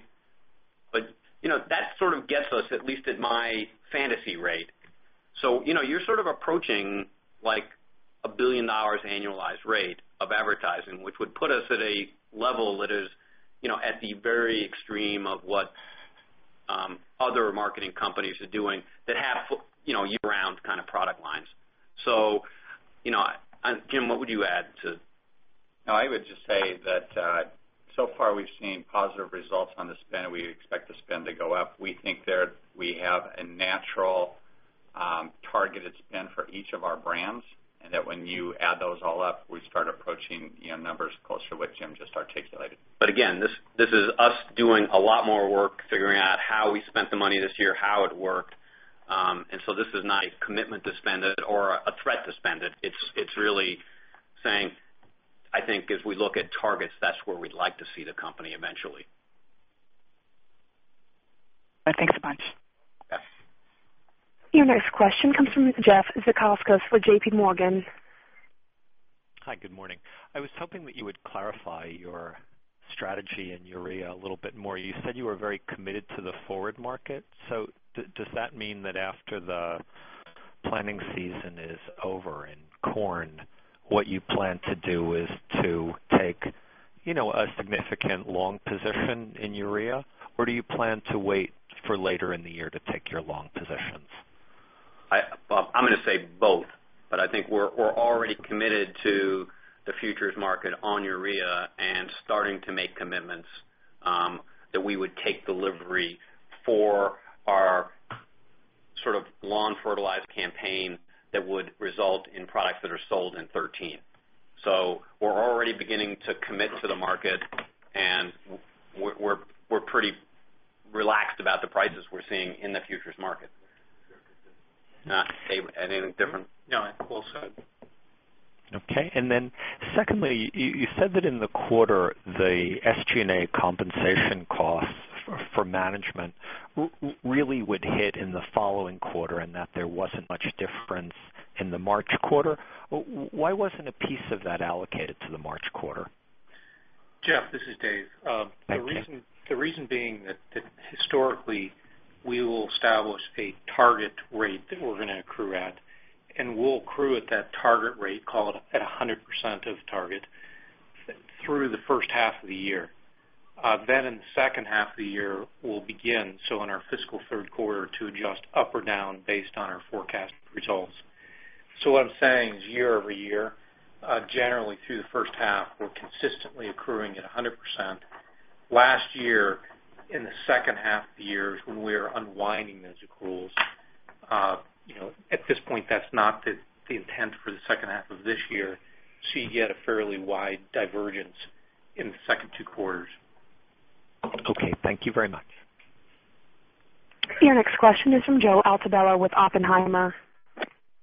That sort of gets us at least at my fantasy rate. You're sort of approaching like a $1 billion annualized rate of advertising, which would put us at a level that is at the very extreme of what other marketing companies are doing that have year-round kind of product lines. Jim, what would you add to? I would just say that so far we've seen positive results on the spend, and we expect the spend to go up. We think that we have a natural targeted spend for each of our brands, and that when you add those all up, we start approaching numbers closer to what Jim just articulated. Again, this is us doing a lot more work figuring out how we spent the money this year, how it worked. This is not a commitment to spend it or a threat to spend it. It is really saying, I think as we look at targets, that is where we would like to see the company eventually. Thanks a bunch. Yes. Your next question comes from Jeff Zekauskas for J.P. Morgan. Hi, good morning. I was hoping that you would clarify your strategy in urea a little bit more. You said you were very committed to the forward market. Does that mean that after the planning season is over in corn, what you plan to do is to take a significant long position in urea? Do you plan to wait for later in the year to take your long positions? I'm going to say both. I think we're already committed to the futures market on urea and starting to make commitments that we would take delivery for our sort of lawn fertilized campaign that would result in products that are sold in 2013. We're already beginning to commit to the market, and we're pretty relaxed about the prices we're seeing in the futures market. Dave, anything different? No, well said. Okay. Secondly, you said that in the quarter, the SG&A compensation costs for management really would hit in the following quarter, and that there wasn't much difference in the March quarter. Why wasn't a piece of that allocated to the March quarter? Jeff, this is Dave. Thank you. The reason being that historically, we will establish a target rate that we're going to accrue at, and we'll accrue at that target rate, call it at 100% of target through the first half of the year. In the second half of the year, we'll begin, so in our fiscal third quarter, to adjust up or down based on our forecast results. What I'm saying is year-over-year, generally through the first half, we're consistently accruing at 100%. Last year, in the second half of the year is when we were unwinding those accruals. At this point, that's not the intent for the second half of this year. You get a fairly wide divergence in the second two quarters. Okay, thank you very much. Your next question is from Joe Altobello with Oppenheimer.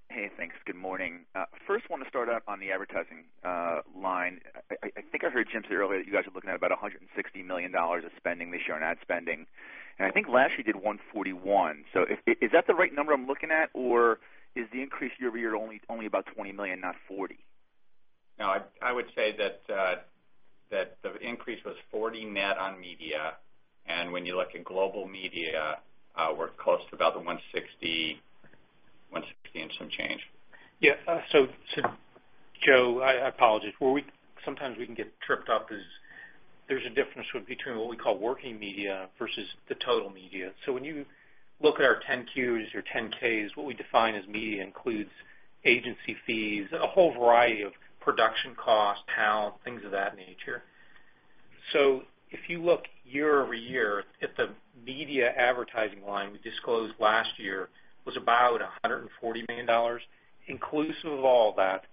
Hey, thanks. Good morning. First I want to start out on the advertising line. I think I heard Jim say earlier that you guys are looking at about $160 million of spending this year on ad spending, and I think last year did $141 million. Is that the right number I'm looking at, or is the increase year-over-year only about $20 million, not $40 million? No, I would say that the increase was $40 million net on media, and when you look at global media, we're close to about the $160 million and some change. Yeah. Joe, I apologize. Sometimes we can get tripped up because there's a difference between what we call working media versus the total media. When you look at our 10-Qs or 10-Ks, what we define as media includes agency fees and a whole variety of production costs, talent, things of that nature. If you look year-over-year at the media advertising line we disclosed last year, it was about $140 million, inclusive of all that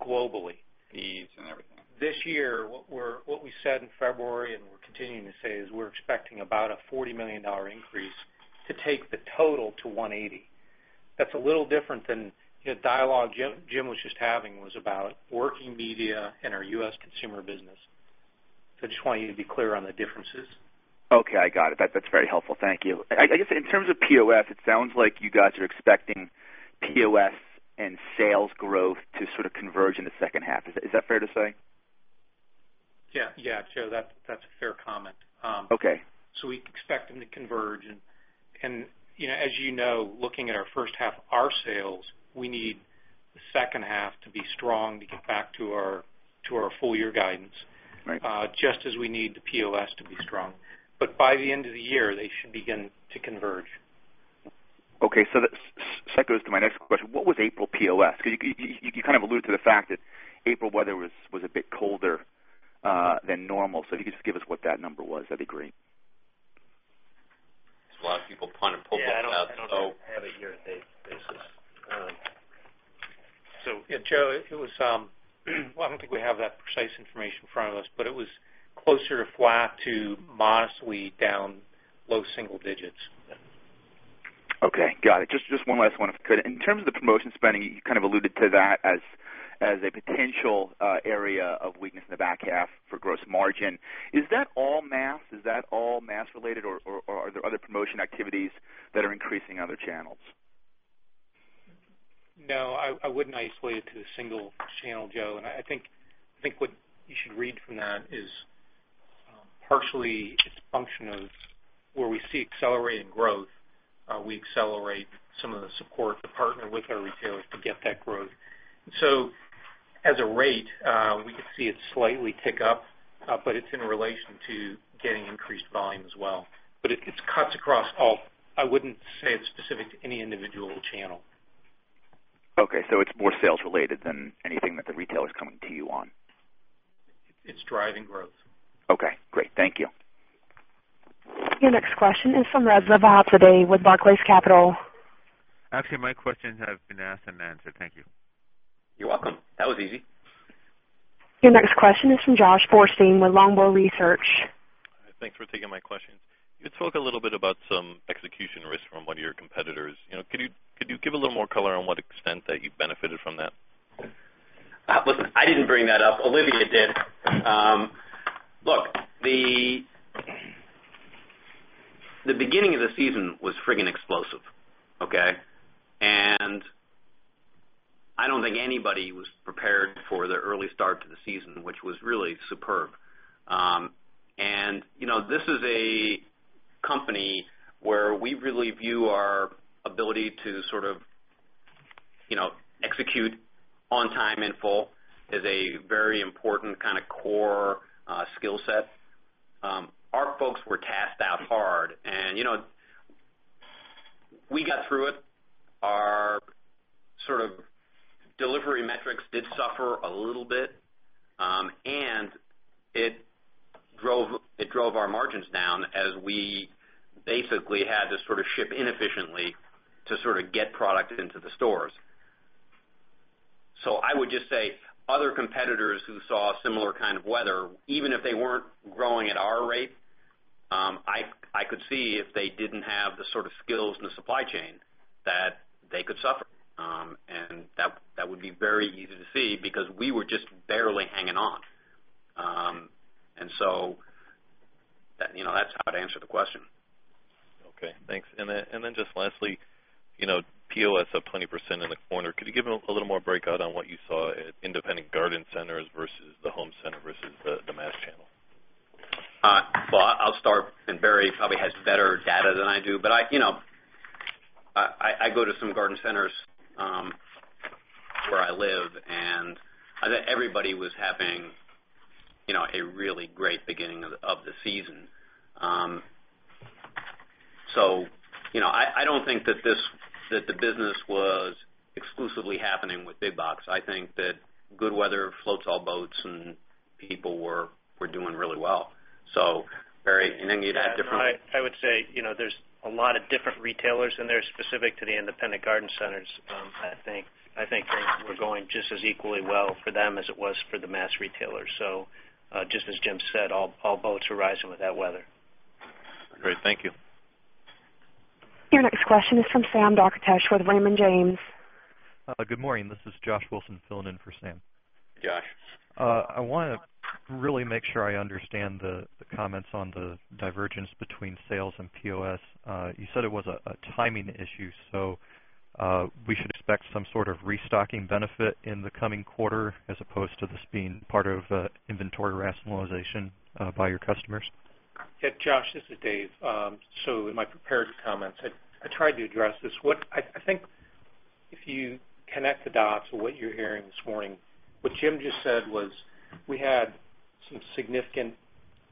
globally. Fees and everything. This year, what we said in February and we're continuing to say is we're expecting about a $40 million increase to take the total to $180. That's a little different than the dialogue Jim was just having, was about working media and our U.S. consumer business. I just want you to be clear on the differences. Okay, I got it. That's very helpful. Thank you. I guess in terms of POS, it sounds like you guys are expecting POS and sales growth to sort of converge in the second half. Is that fair to say? Yeah. Joe, that's a fair comment. Okay. We expect them to converge. As you know, looking at our first half of our sales, we need the second half to be strong to get back to our full year guidance. Right. Just as we need the POS to be strong. By the end of the year, they should begin to converge. Okay, that segues to my next question. What was April POS? You kind of alluded to the fact that April weather was a bit colder than normal. If you could just give us what that number was, that'd be great. There's a lot of people punting public clouds. Yeah, I don't have it here at base business. Joe, I don't think we have that precise information in front of us, but it was closer to flat to modestly down low single digits. Okay. Got it. Just one last one, if I could. In terms of the promotion spending, you kind of alluded to that as a potential area of weakness in the back half for gross margin. Is that all mass? Is that all mass related, or are there other promotion activities that are increasing other channels? I wouldn't isolate it to a single channel, Joe. I think what you should read from that is partially it's a function of where we see accelerated growth. We accelerate some of the support to partner with our retailers to get that growth. As a rate, we could see it slightly tick up, but it's in relation to getting increased volume as well. It cuts across all. I wouldn't say it's specific to any individual channel. Okay, it's more sales related than anything that the retailer is coming to you on. It's driving growth. Okay, great. Thank you. Your next question is from Reza Vahabzadeh with Barclays Capital. Actually, my questions have been asked and answered. Thank you. You're welcome. That was easy. Your next question is from Josh Borstein with Longbow Research. Thanks for taking my questions. You had spoke a little bit about some execution risk from one of your competitors. Could you give a little more color on what extent that you benefited from that? Listen, I didn't bring that up. Olivia did. Look, the beginning of the season was freaking explosive. Okay. I don't think anybody was prepared for the early start to the season, which was really superb. This is a company where we really view our ability to sort of execute on time in full as a very important kind of core skill set. Our folks were tasked out hard, and we got through it. Our sort of delivery metrics did suffer a little bit. It drove our margins down as we basically had to sort of ship inefficiently to sort of get product into the stores. I would just say, other competitors who saw similar kind of weather, even if they weren't growing at our rate, I could see if they didn't have the sort of skills in the supply chain that they could suffer. That would be very easy to see because we were just barely hanging on. That's how to answer the question. Okay, thanks. Just lastly, POS up 20% in the quarter. Could you give a little more breakout on what you saw at independent garden centers versus the home center versus the mass channel? Well, I'll start, Barry probably has better data than I do. I go to some garden centers where I live, I think everybody was having a really great beginning of the season. I don't think that the business was exclusively happening with big box. I think that good weather floats all boats, people were doing really well. Barry, I would say, there's a lot of different retailers in there specific to the independent garden centers. I think things were going just as equally well for them as it was for the mass retailers. Just as Jim said, all boats are rising with that weather. Great. Thank you. Your next question is from Sam Darkatsh with Raymond James. Good morning. This is Josh Borstein filling in for Sam. Josh. I want to really make sure I understand the comments on the divergence between sales and POS. You said it was a timing issue, we should expect some sort of restocking benefit in the coming quarter as opposed to this being part of inventory rationalization by your customers. Yeah, Josh, this is Dave. In my prepared comments, I tried to address this. I think if you connect the dots of what you're hearing this morning, what Jim just said was we had some significant,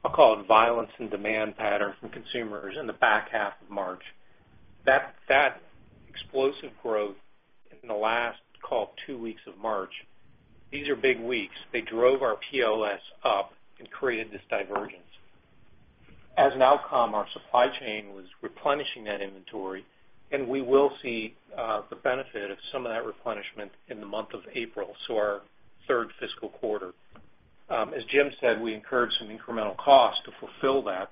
I'll call it violence in demand pattern from consumers in the back half of March. That explosive growth in the last, call it two weeks of March, these are big weeks. They drove our POS up and created this divergence. As an outcome, our supply chain was replenishing that inventory, and we will see the benefit of some of that replenishment in the month of April, our third fiscal quarter. As Jim said, we incurred some incremental costs to fulfill that.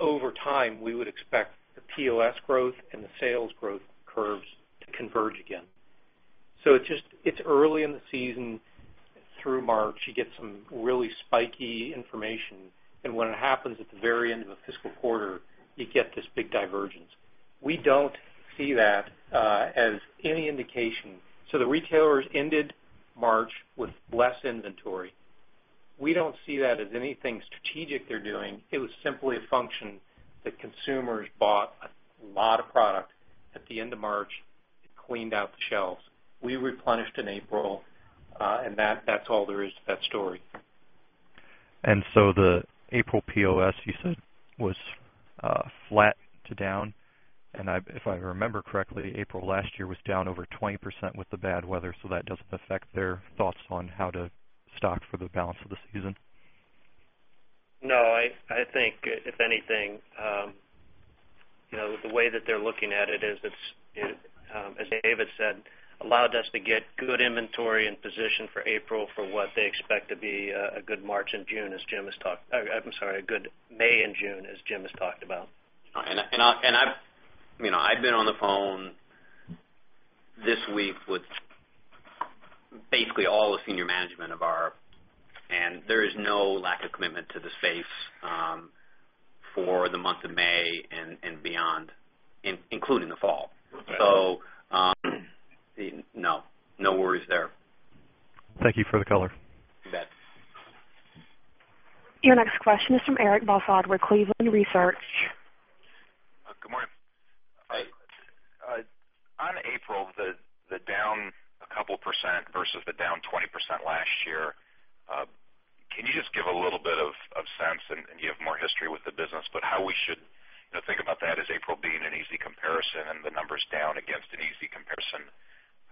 Over time, we would expect the POS growth and the sales growth curves to converge again. It's early in the season through March, you get some really spiky information. When it happens at the very end of a fiscal quarter, you get this big divergence. We don't see that as any indication. The retailers ended March with less inventory. We don't see that as anything strategic they're doing. It was simply a function that consumers bought a lot of product at the end of March. It cleaned out the shelves. We replenished in April, and that's all there is to that story. The April POS, you said, was flat to down. If I remember correctly, April last year was down over 20% with the bad weather, that doesn't affect their thoughts on how to stock for the balance of the season? No. I think if anything, the way that they're looking at it is it's, as David said, allowed us to get good inventory and position for April for what they expect to be a good May and June as Jim has talked about. I've been on the phone this week with basically all the senior management of our and there is no lack of commitment to the space for the month of May and beyond, including the fall. No worries there. Thank you for the color. You bet. Your next question is from Eric Bouchard with Cleveland Research. Good morning. On April, the down a couple % versus the down 20% last year, can you just give a little bit of sense and you have more history with the business, but how we should think about that as April being an easy comparison and the numbers down against an easy comparison?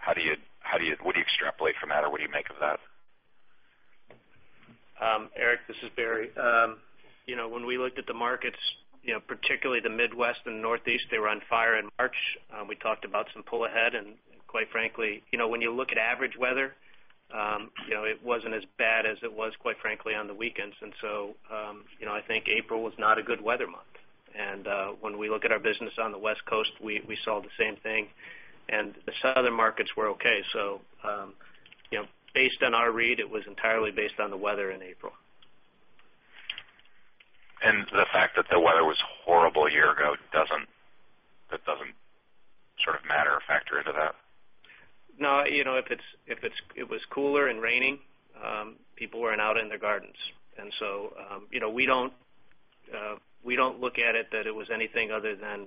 What do you extrapolate from that or what do you make of that? Eric, this is Barry. When we looked at the markets, particularly the Midwest and Northeast, they were on fire in March. We talked about some pull ahead and quite frankly, when you look at average weather, it wasn't as bad as it was, quite frankly, on the weekends. I think April was not a good weather month. When we look at our business on the West Coast, we saw the same thing, and the southern markets were okay. Based on our read, it was entirely based on the weather in April. The fact that the weather was horrible a year ago doesn't sort of matter or factor into that? No. If it was cooler and raining, people weren't out in their gardens. We don't look at it that it was anything other than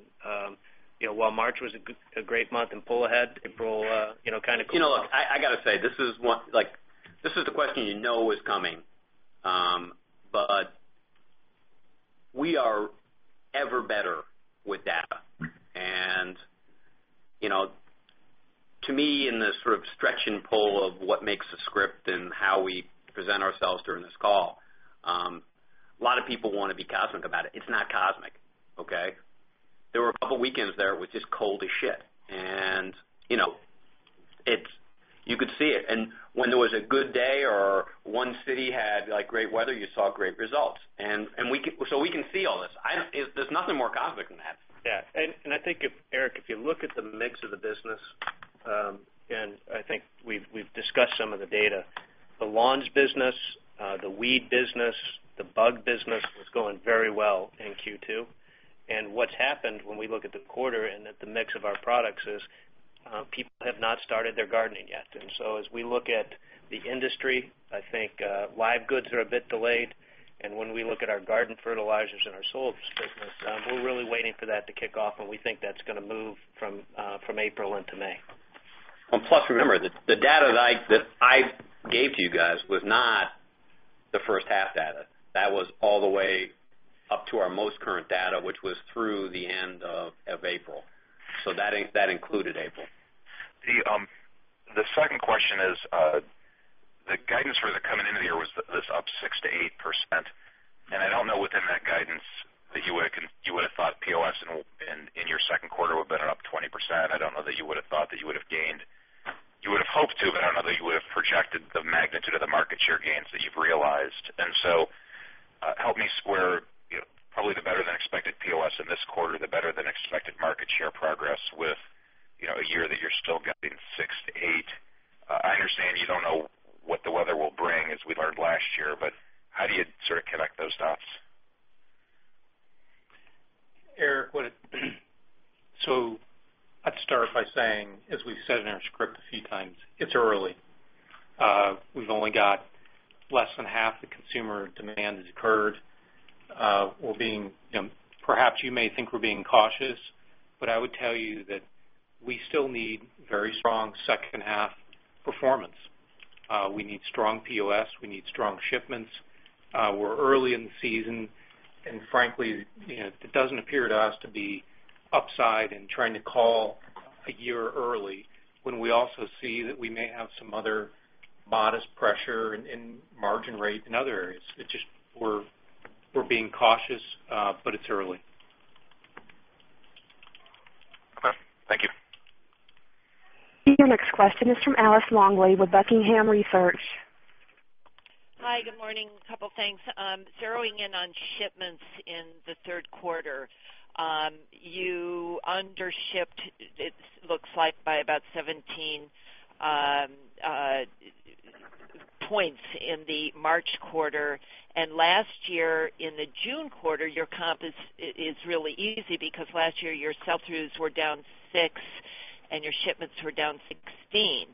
while March was a great month in pull ahead, April kind of cooled off. Look, I got to say, this is the question you know is coming. We are ever better with data. To me, in the sort of stretch and pull of what makes a script and how we present ourselves during this call, a lot of people want to be cosmic about it. It's not cosmic, okay? There were a couple weekends there it was just cold as shit, and you could see it. When there was a good day or one city had great weather, you saw great results. We can see all this. There's nothing more cosmic than that. I think, Eric, if you look at the mix of the business, I think we've discussed some of the data, the lawns business, the weed business, the bug business was going very well in Q2. What's happened when we look at the quarter and at the mix of our products is people have not started their gardening yet. As we look at the industry, I think live goods are a bit delayed. When we look at our garden fertilizers and our soils business, we're really waiting for that to kick off, and we think that's going to move from April into May. Plus, remember, the data that I gave to you guys was not the first half data. That was all the way up to our most current data, which was through the end of April. That included April. The second question is, the guidance for the coming into the year was up 6%-8%. I don't know within that guidance that you would have thought POS in your second quarter would have been up 20%. I don't know that you would have hoped to, but I don't know that you would have projected the magnitude of the market share gains that you've realized. Help me square probably the better than expected POS in this quarter, the better than expected market share progress with a year that you're still guiding 6%-8%. I understand you don't know what the weather will bring, as we learned last year, how do you sort of connect those dots? Eric, I'd start by saying, as we've said in our script a few times, it's early. We've only got less than half the consumer demand has occurred. Perhaps you may think we're being cautious, I would tell you that we still need very strong second half performance. We need strong POS. We need strong shipments. We're early in the season, frankly, it doesn't appear to us to be upside and trying to call a year early when we also see that we may have some other modest pressure in margin rate in other areas. We're being cautious, it's early. Okay, thank you. Your next question is from Alice Longley with Buckingham Research. Hi, good morning. A couple things. Zeroing in on shipments in the third quarter. You undershipped, it looks like, by about 17 points in the March quarter. Last year in the June quarter, your comp is really easy because last year your sell-throughs were down six and your shipments were down 16.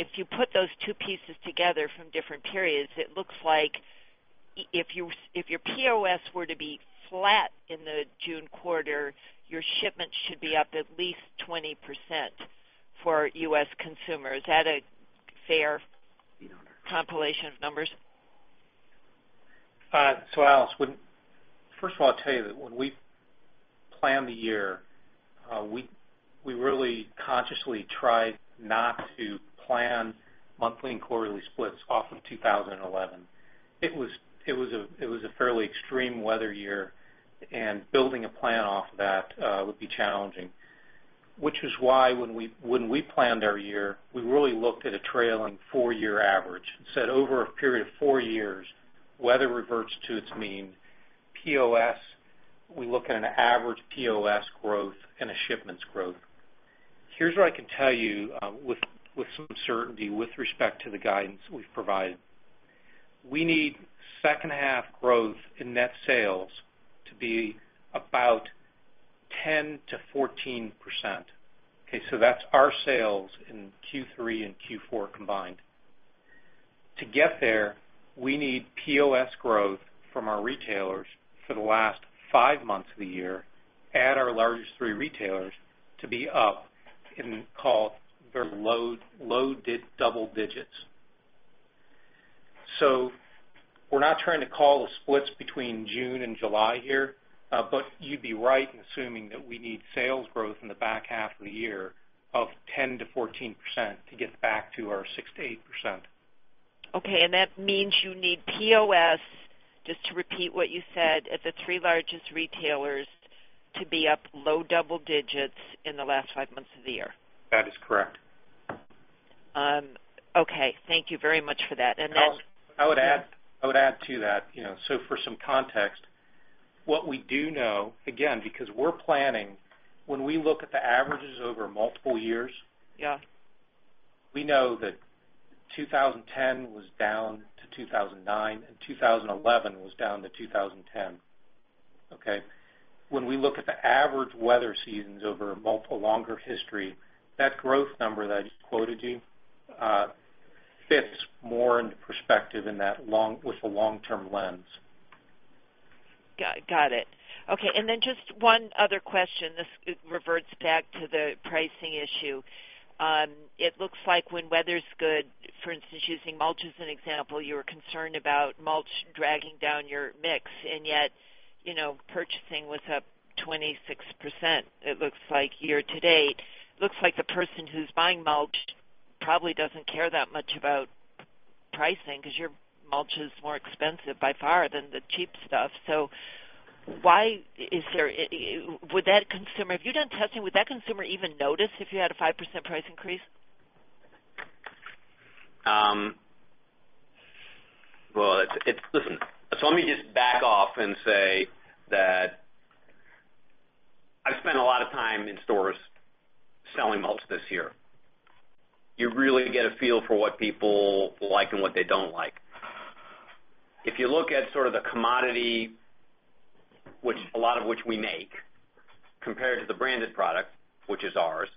If you put those two pieces together from different periods, it looks like if your POS were to be flat in the June quarter, your shipments should be up at least 20% for U.S. consumers. Is that a fair compilation of numbers? Alice, first of all, I'll tell you that when we planned the year, we really consciously tried not to plan monthly and quarterly splits off of 2011. It was a fairly extreme weather year, and building a plan off that would be challenging. When we planned our year, we really looked at a trailing four-year average and said over a period of four years, weather reverts to its mean. POS, we look at an average POS growth and a shipments growth. Here's what I can tell you with some certainty with respect to the guidance we've provided. We need second half growth in net sales to be about 10%-14%. That's our sales in Q3 and Q4 combined. To get there, we need POS growth from our retailers for the last five months of the year at our largest three retailers to be up in, call it, very low double digits. We're not trying to call the splits between June and July here, but you'd be right in assuming that we need sales growth in the back half of the year of 10%-14% to get back to our 6%-8%. That means you need POS, just to repeat what you said, at the three largest retailers to be up low double digits in the last five months of the year. That is correct. Okay. Thank you very much for that. Alice, I would add to that, for some context, what we do know, again, because we're planning, when we look at the averages over multiple years. Yeah We know that 2010 was down to 2009, and 2011 was down to 2010. Okay? When we look at the average weather seasons over multiple longer history, that growth number that I just quoted you fits more into perspective with the long-term lens. Got it. Okay, just one other question. This reverts back to the pricing issue. It looks like when weather's good, for instance, using mulch as an example, you're concerned about mulch dragging down your mix, and yet purchasing was up 26%, it looks like year to date. Looks like the person who's buying mulch probably doesn't care that much about pricing because your mulch is more expensive by far than the cheap stuff. Have you done testing, would that consumer even notice if you had a 5% price increase? Let me just back off and say that I've spent a lot of time in stores selling mulch this year. You really get a feel for what people like and what they don't like. If you look at sort of the commodity, a lot of which we make, compared to the branded product, which is ours,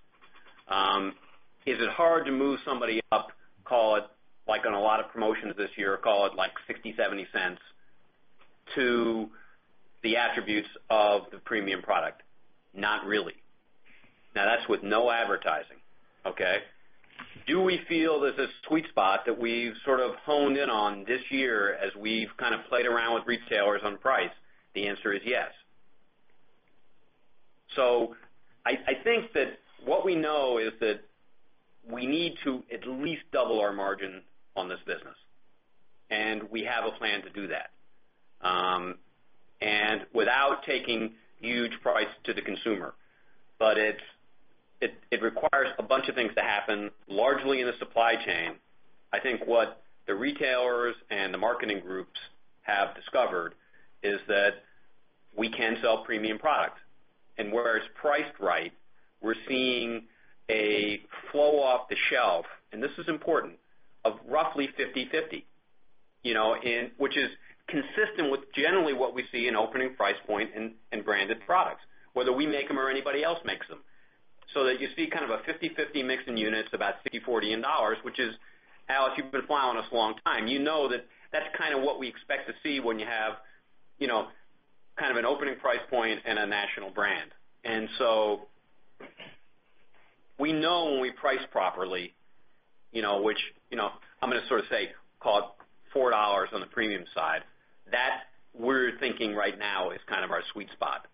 is it hard to move somebody up, call it like on a lot of promotions this year, call it like $0.60, $0.70 to the attributes of the premium product? Not really. That's with no advertising, okay? Do we feel that this sweet spot that we've sort of honed in on this year as we've kind of played around with retailers on price? The answer is yes. I think that what we know is that we need to at least double our margin on this business, and we have a plan to do that. Without taking huge price to the consumer. It requires a bunch of things to happen, largely in the supply chain. I think what the retailers and the marketing groups have discovered is that we can sell premium products. Where it's priced right, we're seeing a flow off the shelf, and this is important, of roughly 50/50, which is consistent with generally what we see in opening price point in branded products, whether we make them or anybody else makes them. So that you see a 50/50 mix in units about 60/40 in dollars, which is, Alice, you've been following us a long time. You know that that's what we expect to see when you have an opening price point and a national brand. We know when we price properly, which I'm going to sort of say, call it $4 on the premium side. That we're thinking right now is our sweet spot.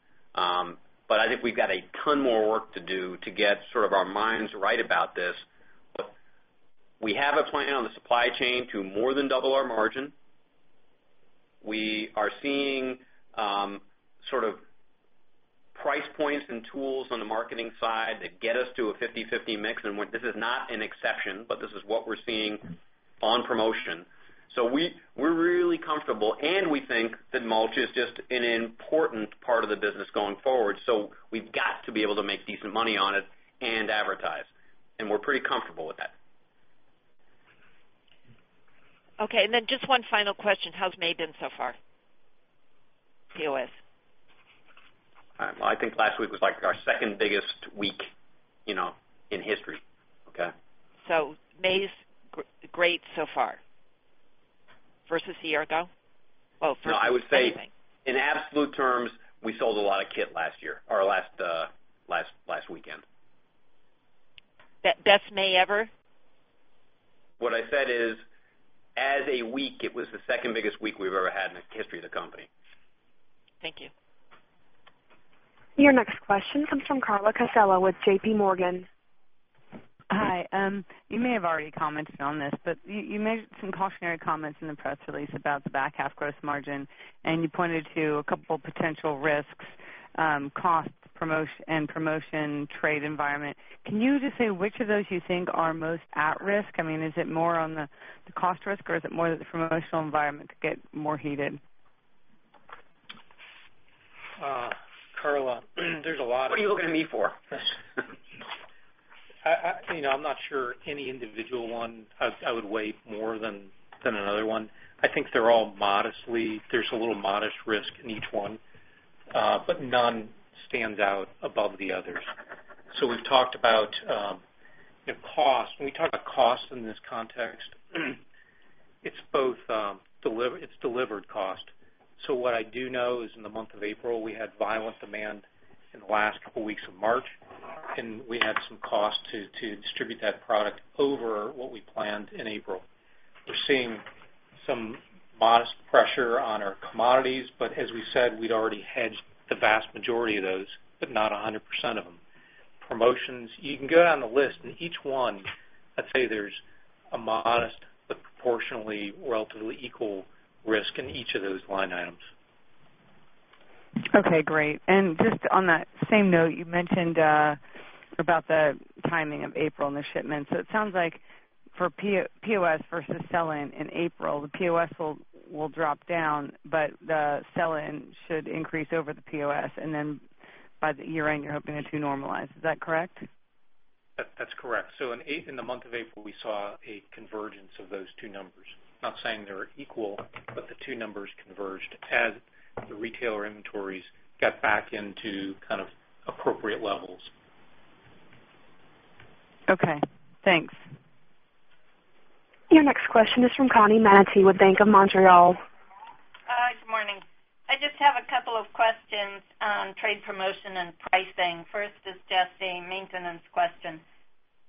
I think we've got a ton more work to do to get our minds right about this. We have a plan on the supply chain to more than double our margin. We are seeing price points and tools on the marketing side that get us to a 50/50 mix and this is not an exception, but this is what we're seeing on promotion. We're really comfortable, and we think that mulch is just an important part of the business going forward, so we've got to be able to make decent money on it and advertise, and we're pretty comfortable with that. Okay, just one final question. How's May been so far? POS. All right. Well, I think last week was our second biggest week in history. Okay. May is great so far versus a year ago? Well, versus anything. No, I would say in absolute terms, we sold a lot of kit last year or last weekend. Best May ever? What I said is, as a week, it was the second biggest week we've ever had in the history of the company. Thank you. Your next question comes from Carla Casella with J.P. Morgan. Hi. You may have already commented on this, but you made some cautionary comments in the press release about the back half gross margin, and you pointed to a couple potential risks, cost and promotion trade environment. Can you just say which of those you think are most at risk? Is it more on the cost risk or is it more that the promotional environment could get more heated? Carla, there's a lot. What are you looking at me for? I'm not sure any individual one I would weigh more than another one. I think there's a little modest risk in each one, but none stands out above the others. We've talked about cost. When we talk about cost in this context, it's delivered cost. What I do know is in the month of April, we had violent demand in the last couple weeks of March, and we had some cost to distribute that product over what we planned in April. We're seeing some modest pressure on our commodities, but as we said, we'd already hedged the vast majority of those, but not 100% of them. Promotions, you can go down the list and each one, I'd say there's a modest but proportionally relatively equal risk in each of those line items. Okay, great. Just on that same note, you mentioned about the timing of April and the shipments. It sounds like for POS versus sell-in in April, the POS will drop down, but the sell-in should increase over the POS. Then by the year-end, you're hoping the two normalize. Is that correct? That's correct. In the month of April, we saw a convergence of those two numbers. Not saying they're equal, but the two numbers converged as the retailer inventories got back into kind of appropriate levels. Okay, thanks. Your next question is from Connie Maneaty with Bank of Montreal. Hi. Good morning. I just have a couple of questions on trade promotion and pricing. First is just a maintenance question.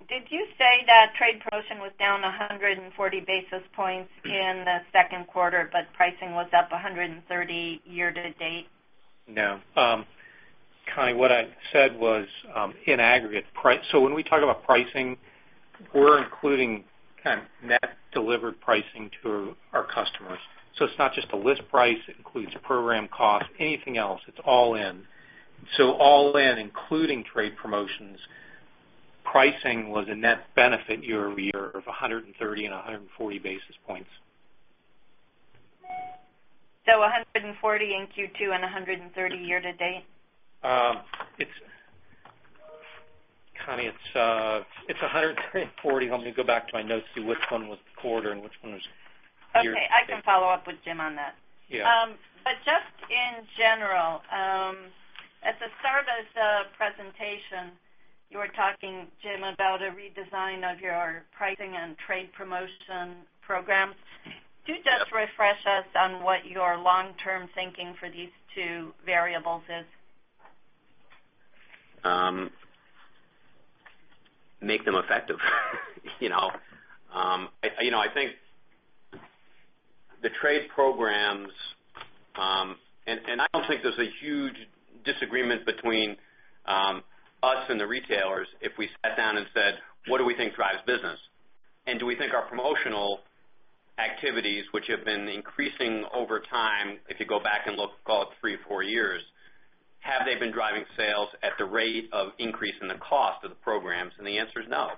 Did you say that trade promotion was down 140 basis points in the second quarter, but pricing was up 130 year to date? No. Connie, what I said was in aggregate price. When we talk about pricing, we're including net delivered pricing to our customers. It's not just the list price, it includes program cost, anything else, it's all in. All in, including trade promotions, pricing was a net benefit year-over-year of 130 and 140 basis points. 140 in Q2 and 130 year to date? Connie, it's 140. Let me go back to my notes, see which one was the quarter and which one was year to date. Okay, I can follow up with Jim on that. Yeah. Just in general, at the start of the presentation, you were talking, Jim, about a redesign of your pricing and trade promotion programs. Yep. Could you just refresh us on what your long-term thinking for these two variables is? Make them effective. I think the trade programs, I don't think there's a huge disagreement between us and the retailers if we sat down and said, "What do we think drives business? Do we think our promotional activities which have been increasing over time, if you go back and look, call it three, four years, have they been driving sales at the rate of increase in the cost of the programs? The answer is no.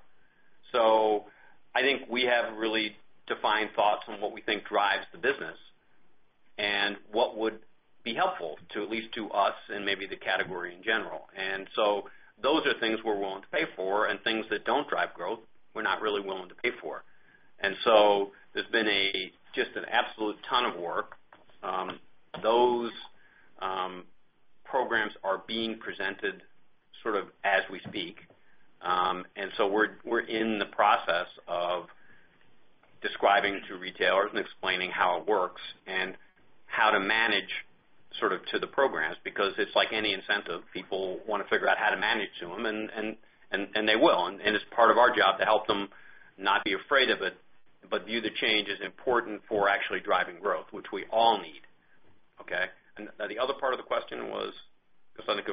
I think we have really defined thoughts on what we think drives the business and what would be helpful, at least to us and maybe the category in general. Those are things we're willing to pay for, and things that don't drive growth, we're not really willing to pay for. There's been just an absolute ton of work. Those programs are being presented sort of as we speak. We're in the process of describing to retailers and explaining how it works and how to manage sort of to the programs, because it's like any incentive, people want to figure out how to manage to them, and they will. It's part of our job to help them not be afraid of it, but view the change as important for actually driving growth, which we all need. Okay? The other part of the question was?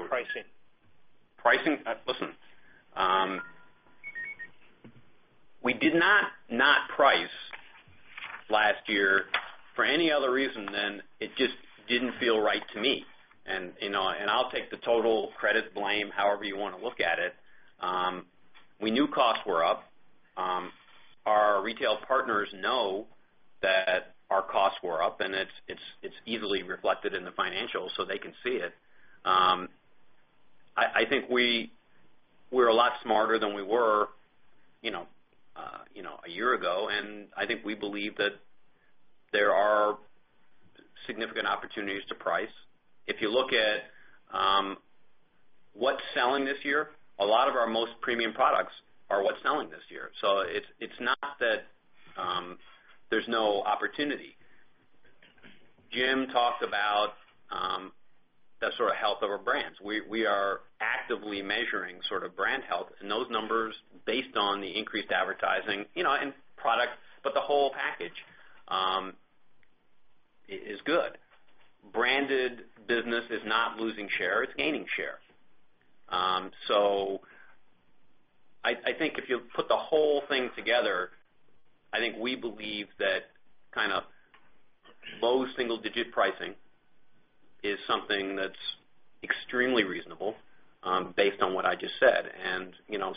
Pricing. Pricing. Listen, we did not price last year for any other reason than it just didn't feel right to me. I'll take the total credit, blame, however you want to look at it. We knew costs were up. Our retail partners know that our costs were up, and it's easily reflected in the financials, so they can see it. I think we're a lot smarter than we were a year ago, and I think we believe that there are significant opportunities to price. If you look at what's selling this year, a lot of our most premium products are what's selling this year. It's not that there's no opportunity. Jim talked about the sort of health of our brands. We are actively measuring sort of brand health and those numbers based on the increased advertising, and product, but the whole package is good. Branded business is not losing share, it's gaining share. I think if you put the whole thing together, I think we believe that kind of low single-digit pricing is something that's extremely reasonable based on what I just said.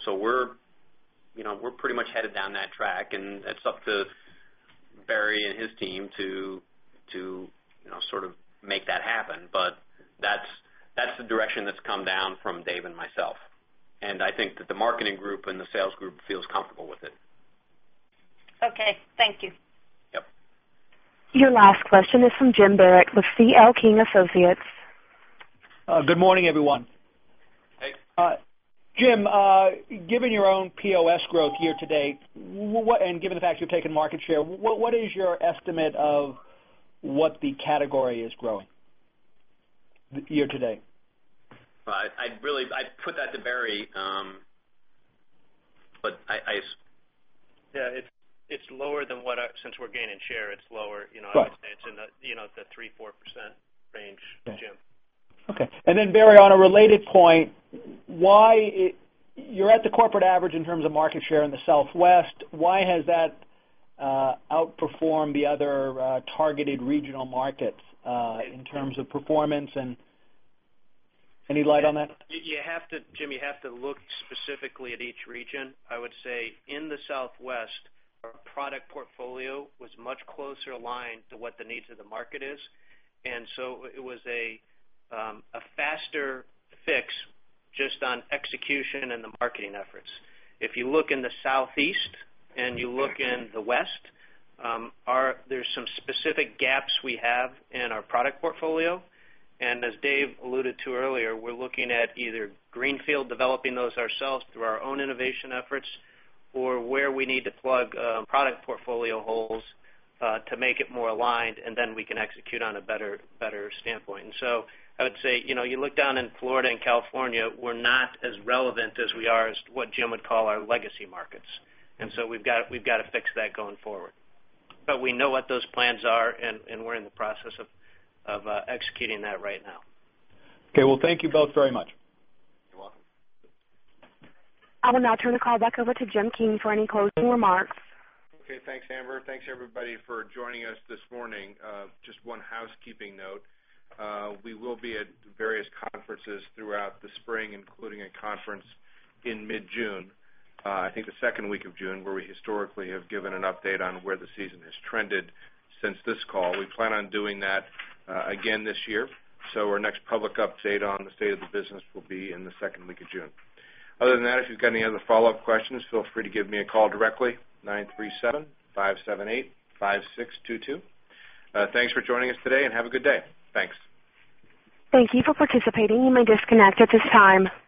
We're pretty much headed down that track, and it's up to Barry and his team to sort of make that happen. That's the direction that's come down from Dave and myself. I think that the marketing group and the sales group feels comfortable with it. Okay. Thank you. Yep. Your last question is from Jim Barrett with C.L. King & Associates. Good morning, everyone. Hey. Jim, given your own POS growth year-to-date, and given the fact you're taking market share, what is your estimate of what the category is growing year-to-date? I'd put that to Barry. Yeah. Since we're gaining share, it's lower. Right. I would say it's in the 3%-4% range, Jim. Okay. Barry Sanders, on a related point, you're at the corporate average in terms of market share in the Southwest. Why has that outperformed the other targeted regional markets in terms of performance? Any light on that? Jim, you have to look specifically at each region. I would say in the Southwest, our product portfolio was much closer aligned to what the needs of the market is, and so it was a faster fix just on execution and the marketing efforts. If you look in the Southeast and you look in the West, there's some specific gaps we have in our product portfolio. As David Evans alluded to earlier, we're looking at either greenfield developing those ourselves through our own innovation efforts or where we need to plug product portfolio holes to make it more aligned, and then we can execute on a better standpoint. I would say, you look down in Florida and California, we're not as relevant as we are as to what Jim would call our legacy markets. We've got to fix that going forward. We know what those plans are, and we're in the process of executing that right now. Okay. Well, thank you both very much. You're welcome. I will now turn the call back over to Jim King for any closing remarks. Okay. Thanks, Amber. Thanks, everybody, for joining us this morning. Just one housekeeping note. We will be at various conferences throughout the spring, including a conference in mid-June. I think the second week of June, where we historically have given an update on where the season has trended since this call. We plan on doing that again this year. Our next public update on the state of the business will be in the second week of June. Other than that, if you've got any other follow-up questions, feel free to give me a call directly, 937-578-5622. Thanks for joining us today, and have a good day. Thanks. Thank you for participating. You may disconnect at this time.